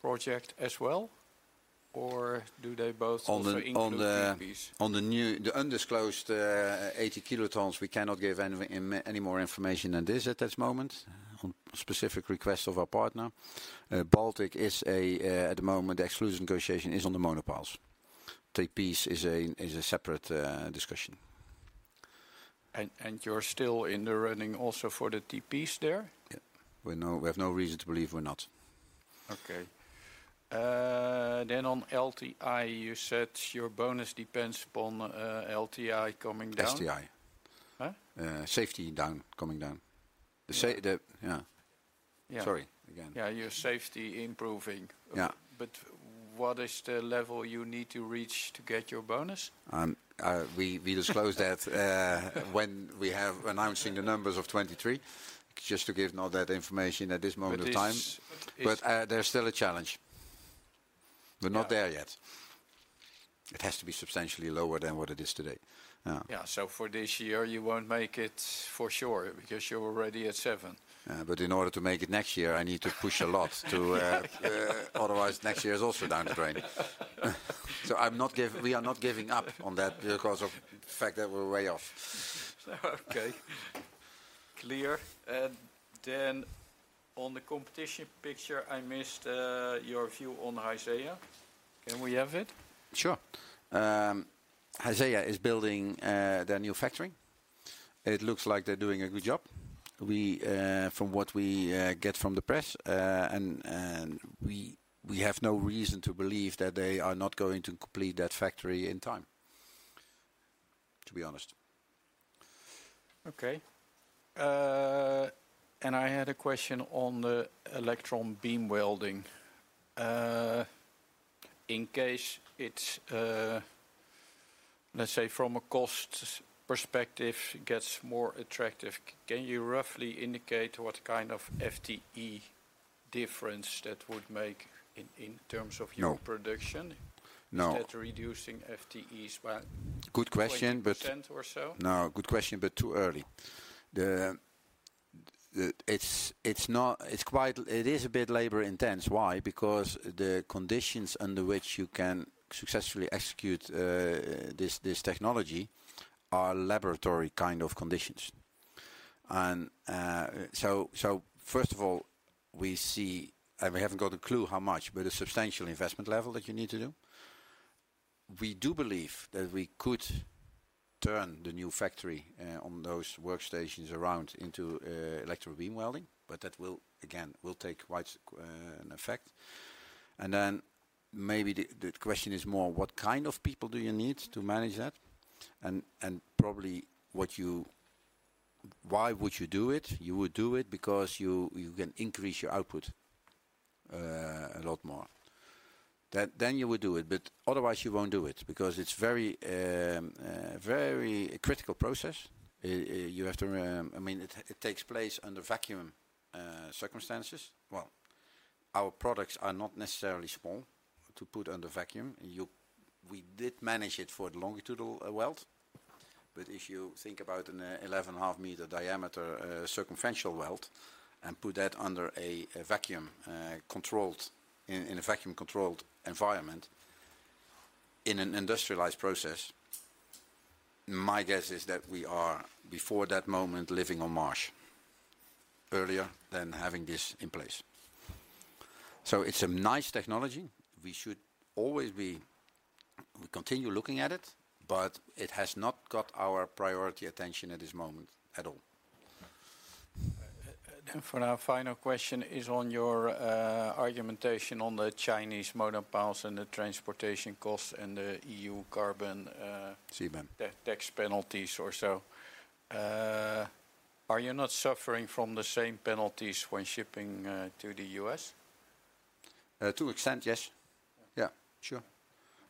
project as well? Or do they both also include TPs? On the new, the undisclosed 80 kilotons, we cannot give any more information than this at this moment, on specific request of our partner. Baltic is, at the moment, the exclusive negotiation is on the monopiles. TPs is a separate discussion. And, you're still in the running also for the TPs there? Yeah. We have no reason to believe we're not. Okay. Then on LTI, you said your bonus depends upon LTI coming down. STI. Huh? Safety down, coming down. Yeah. The... Yeah. Yeah. Sorry. Again. Yeah, your safety improving. Yeah. What is the level you need to reach to get your bonus? We disclose that when we have announcing the numbers of 2023. Just to give not that information at this moment in time. But this is- But, there's still a challenge. Yeah. We're not there yet. It has to be substantially lower than what it is today. Yeah. Yeah. So for this year, you won't make it for sure, because you're already at 7. But in order to make it next year, I need to push a lot to. Otherwise, next year is also down the drain. So I'm not give- we are not giving up on that because of the fact that we're way off. Okay. Clear. And then on the competition picture, I missed your view on SeAH. Can we have it? Sure. SeAH is building their new factory. It looks like they're doing a good job. We, from what we get from the press, and we have no reason to believe that they are not going to complete that factory on time, to be honest. Okay. And I had a question on the Electron Beam Welding. In case it's, let's say from a cost perspective, gets more attractive, can you roughly indicate what kind of FTE difference that would make in, in terms of your- No... production? No. Is that reducing FTEs by? Good question, but-... 20% or so? No, good question, but too early. It's not. It's quite, it is a bit labor-intensive. Why? Because the conditions under which you can successfully execute this technology are laboratory kind of conditions. So first of all, we see, and we haven't got a clue how much, but a substantial investment level that you need to do. We do believe that we could turn the new factory on those workstations around into electron beam welding, but that will, again, take quite an effect. And then maybe the question is more, what kind of people do you need to manage that? And probably what—why would you do it? You would do it because you can increase your output a lot more. Then you would do it, but otherwise you won't do it, because it's very, very critical process. You have to. I mean, it takes place under vacuum circumstances. Well, our products are not necessarily small to put under vacuum. We did manage it for the longitudinal weld, but if you think about an 11.5-meter diameter circumferential weld, and put that under a vacuum controlled in a vacuum controlled environment, in an industrialized process, my guess is that we are, before that moment, living on Mars, earlier than having this in place. So it's a nice technology. We should always be... We continue looking at it, but it has not got our priority attention at this moment at all. Then for our final question is on your argumentation on the Chinese monopiles and the transportation costs and the EU carbon, CBAM.... tax penalties or so. Are you not suffering from the same penalties when shipping to the US? To an extent, yes. Yeah, sure.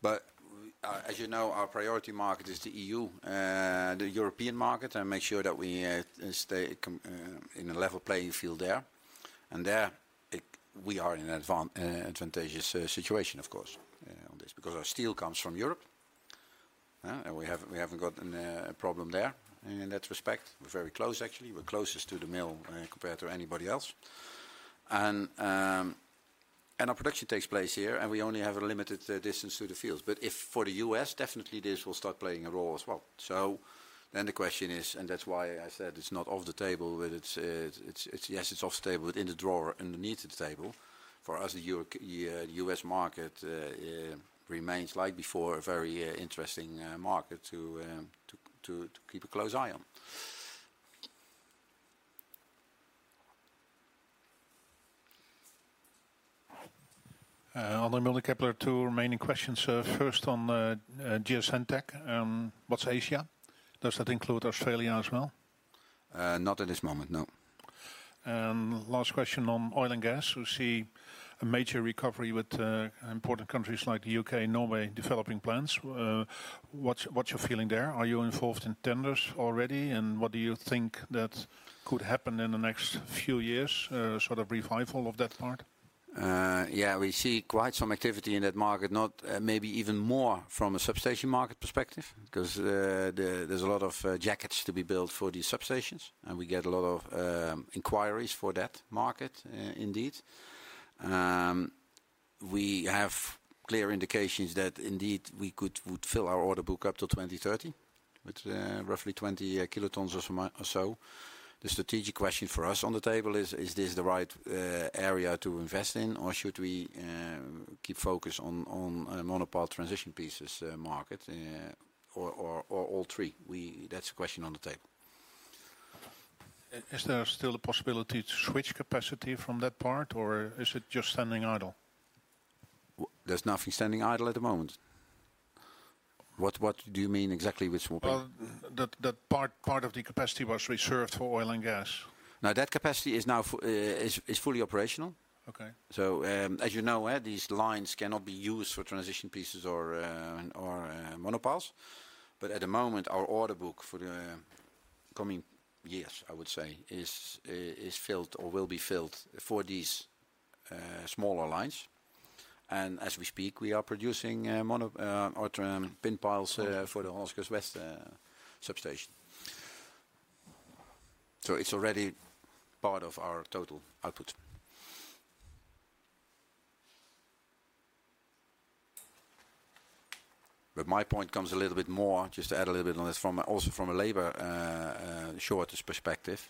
But, as you know, our priority market is the EU, the European market, and make sure that we stay competitive in a level playing field there. And there, we are in an advantageous situation, of course, on this, because our steel comes from Europe. And we haven't got a problem there in that respect. We're very close, actually. We're closest to the mill compared to anybody else. And our production takes place here, and we only have a limited distance to the fields. But for the U.S., definitely this will start playing a role as well. So then the question is, and that's why I said it's not off the table, but it's, yes, it's off the table, but in the drawer underneath the table. For us, the US market remains like before, a very interesting market to keep a close eye on. On the Mulder Kepler, two remaining questions. First on the GS Entec, what's in Asia? Does that include Australia as well? Not at this moment, no. And last question on oil and gas. We see a major recovery with, important countries like the U.K. and Norway developing plans. What's your feeling there? Are you involved in tenders already, and what do you think that could happen in the next few years, sort of revival of that part? Yeah, we see quite some activity in that market, not maybe even more from a substation market perspective, 'cause there's a lot of jackets to be built for these substations, and we get a lot of inquiries for that market, indeed. We have clear indications that indeed we could would fill our order book up to 2030, with roughly 20 kilotons or some more or so. The strategic question for us on the table is: Is this the right area to invest in, or should we keep focused on monopile transition pieces market, or all three? That's the question on the table. Is there still a possibility to switch capacity from that part, or is it just standing idle? There's nothing standing idle at the moment. What, what do you mean exactly with swapping? Well, that part of the capacity was reserved for oil and gas. Now, that capacity is now fully operational. Okay. So, as you know, these lines cannot be used for transition pieces or monopiles. But at the moment, our order book for the coming years, I would say, is filled or will be filled for these smaller lines. And as we speak, we are producing monopiles or pin piles for the Oscars West substation. So it's already part of our total output. But my point comes a little bit more, just to add a little bit on this, from a labor shortage perspective,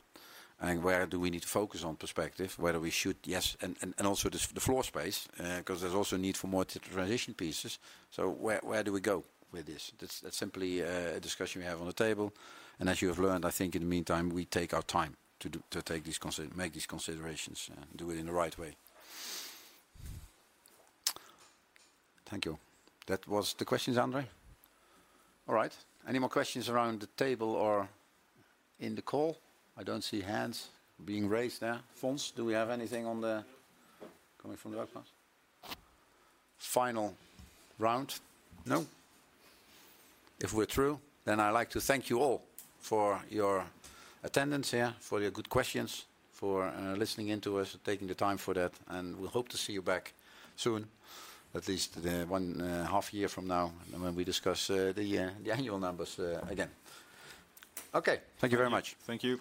and where do we need to focus on perspective, whether we should, and also the floor space, 'cause there's also a need for more transition pieces. So where do we go with this? That's simply a discussion we have on the table. And as you have learned, I think in the meantime, we take our time to make these considerations, do it in the right way. Thank you. That was the questions, André? All right, any more questions around the table or in the call? I don't see hands being raised there. Fons, do we have anything on the coming from the webcast? Final round? No. If we're through, then I'd like to thank you all for your attendance here, for your good questions, for listening in to us, taking the time for that, and we hope to see you back soon, at least one half year from now, when we discuss the annual numbers again. Okay, thank you very much. Thank you.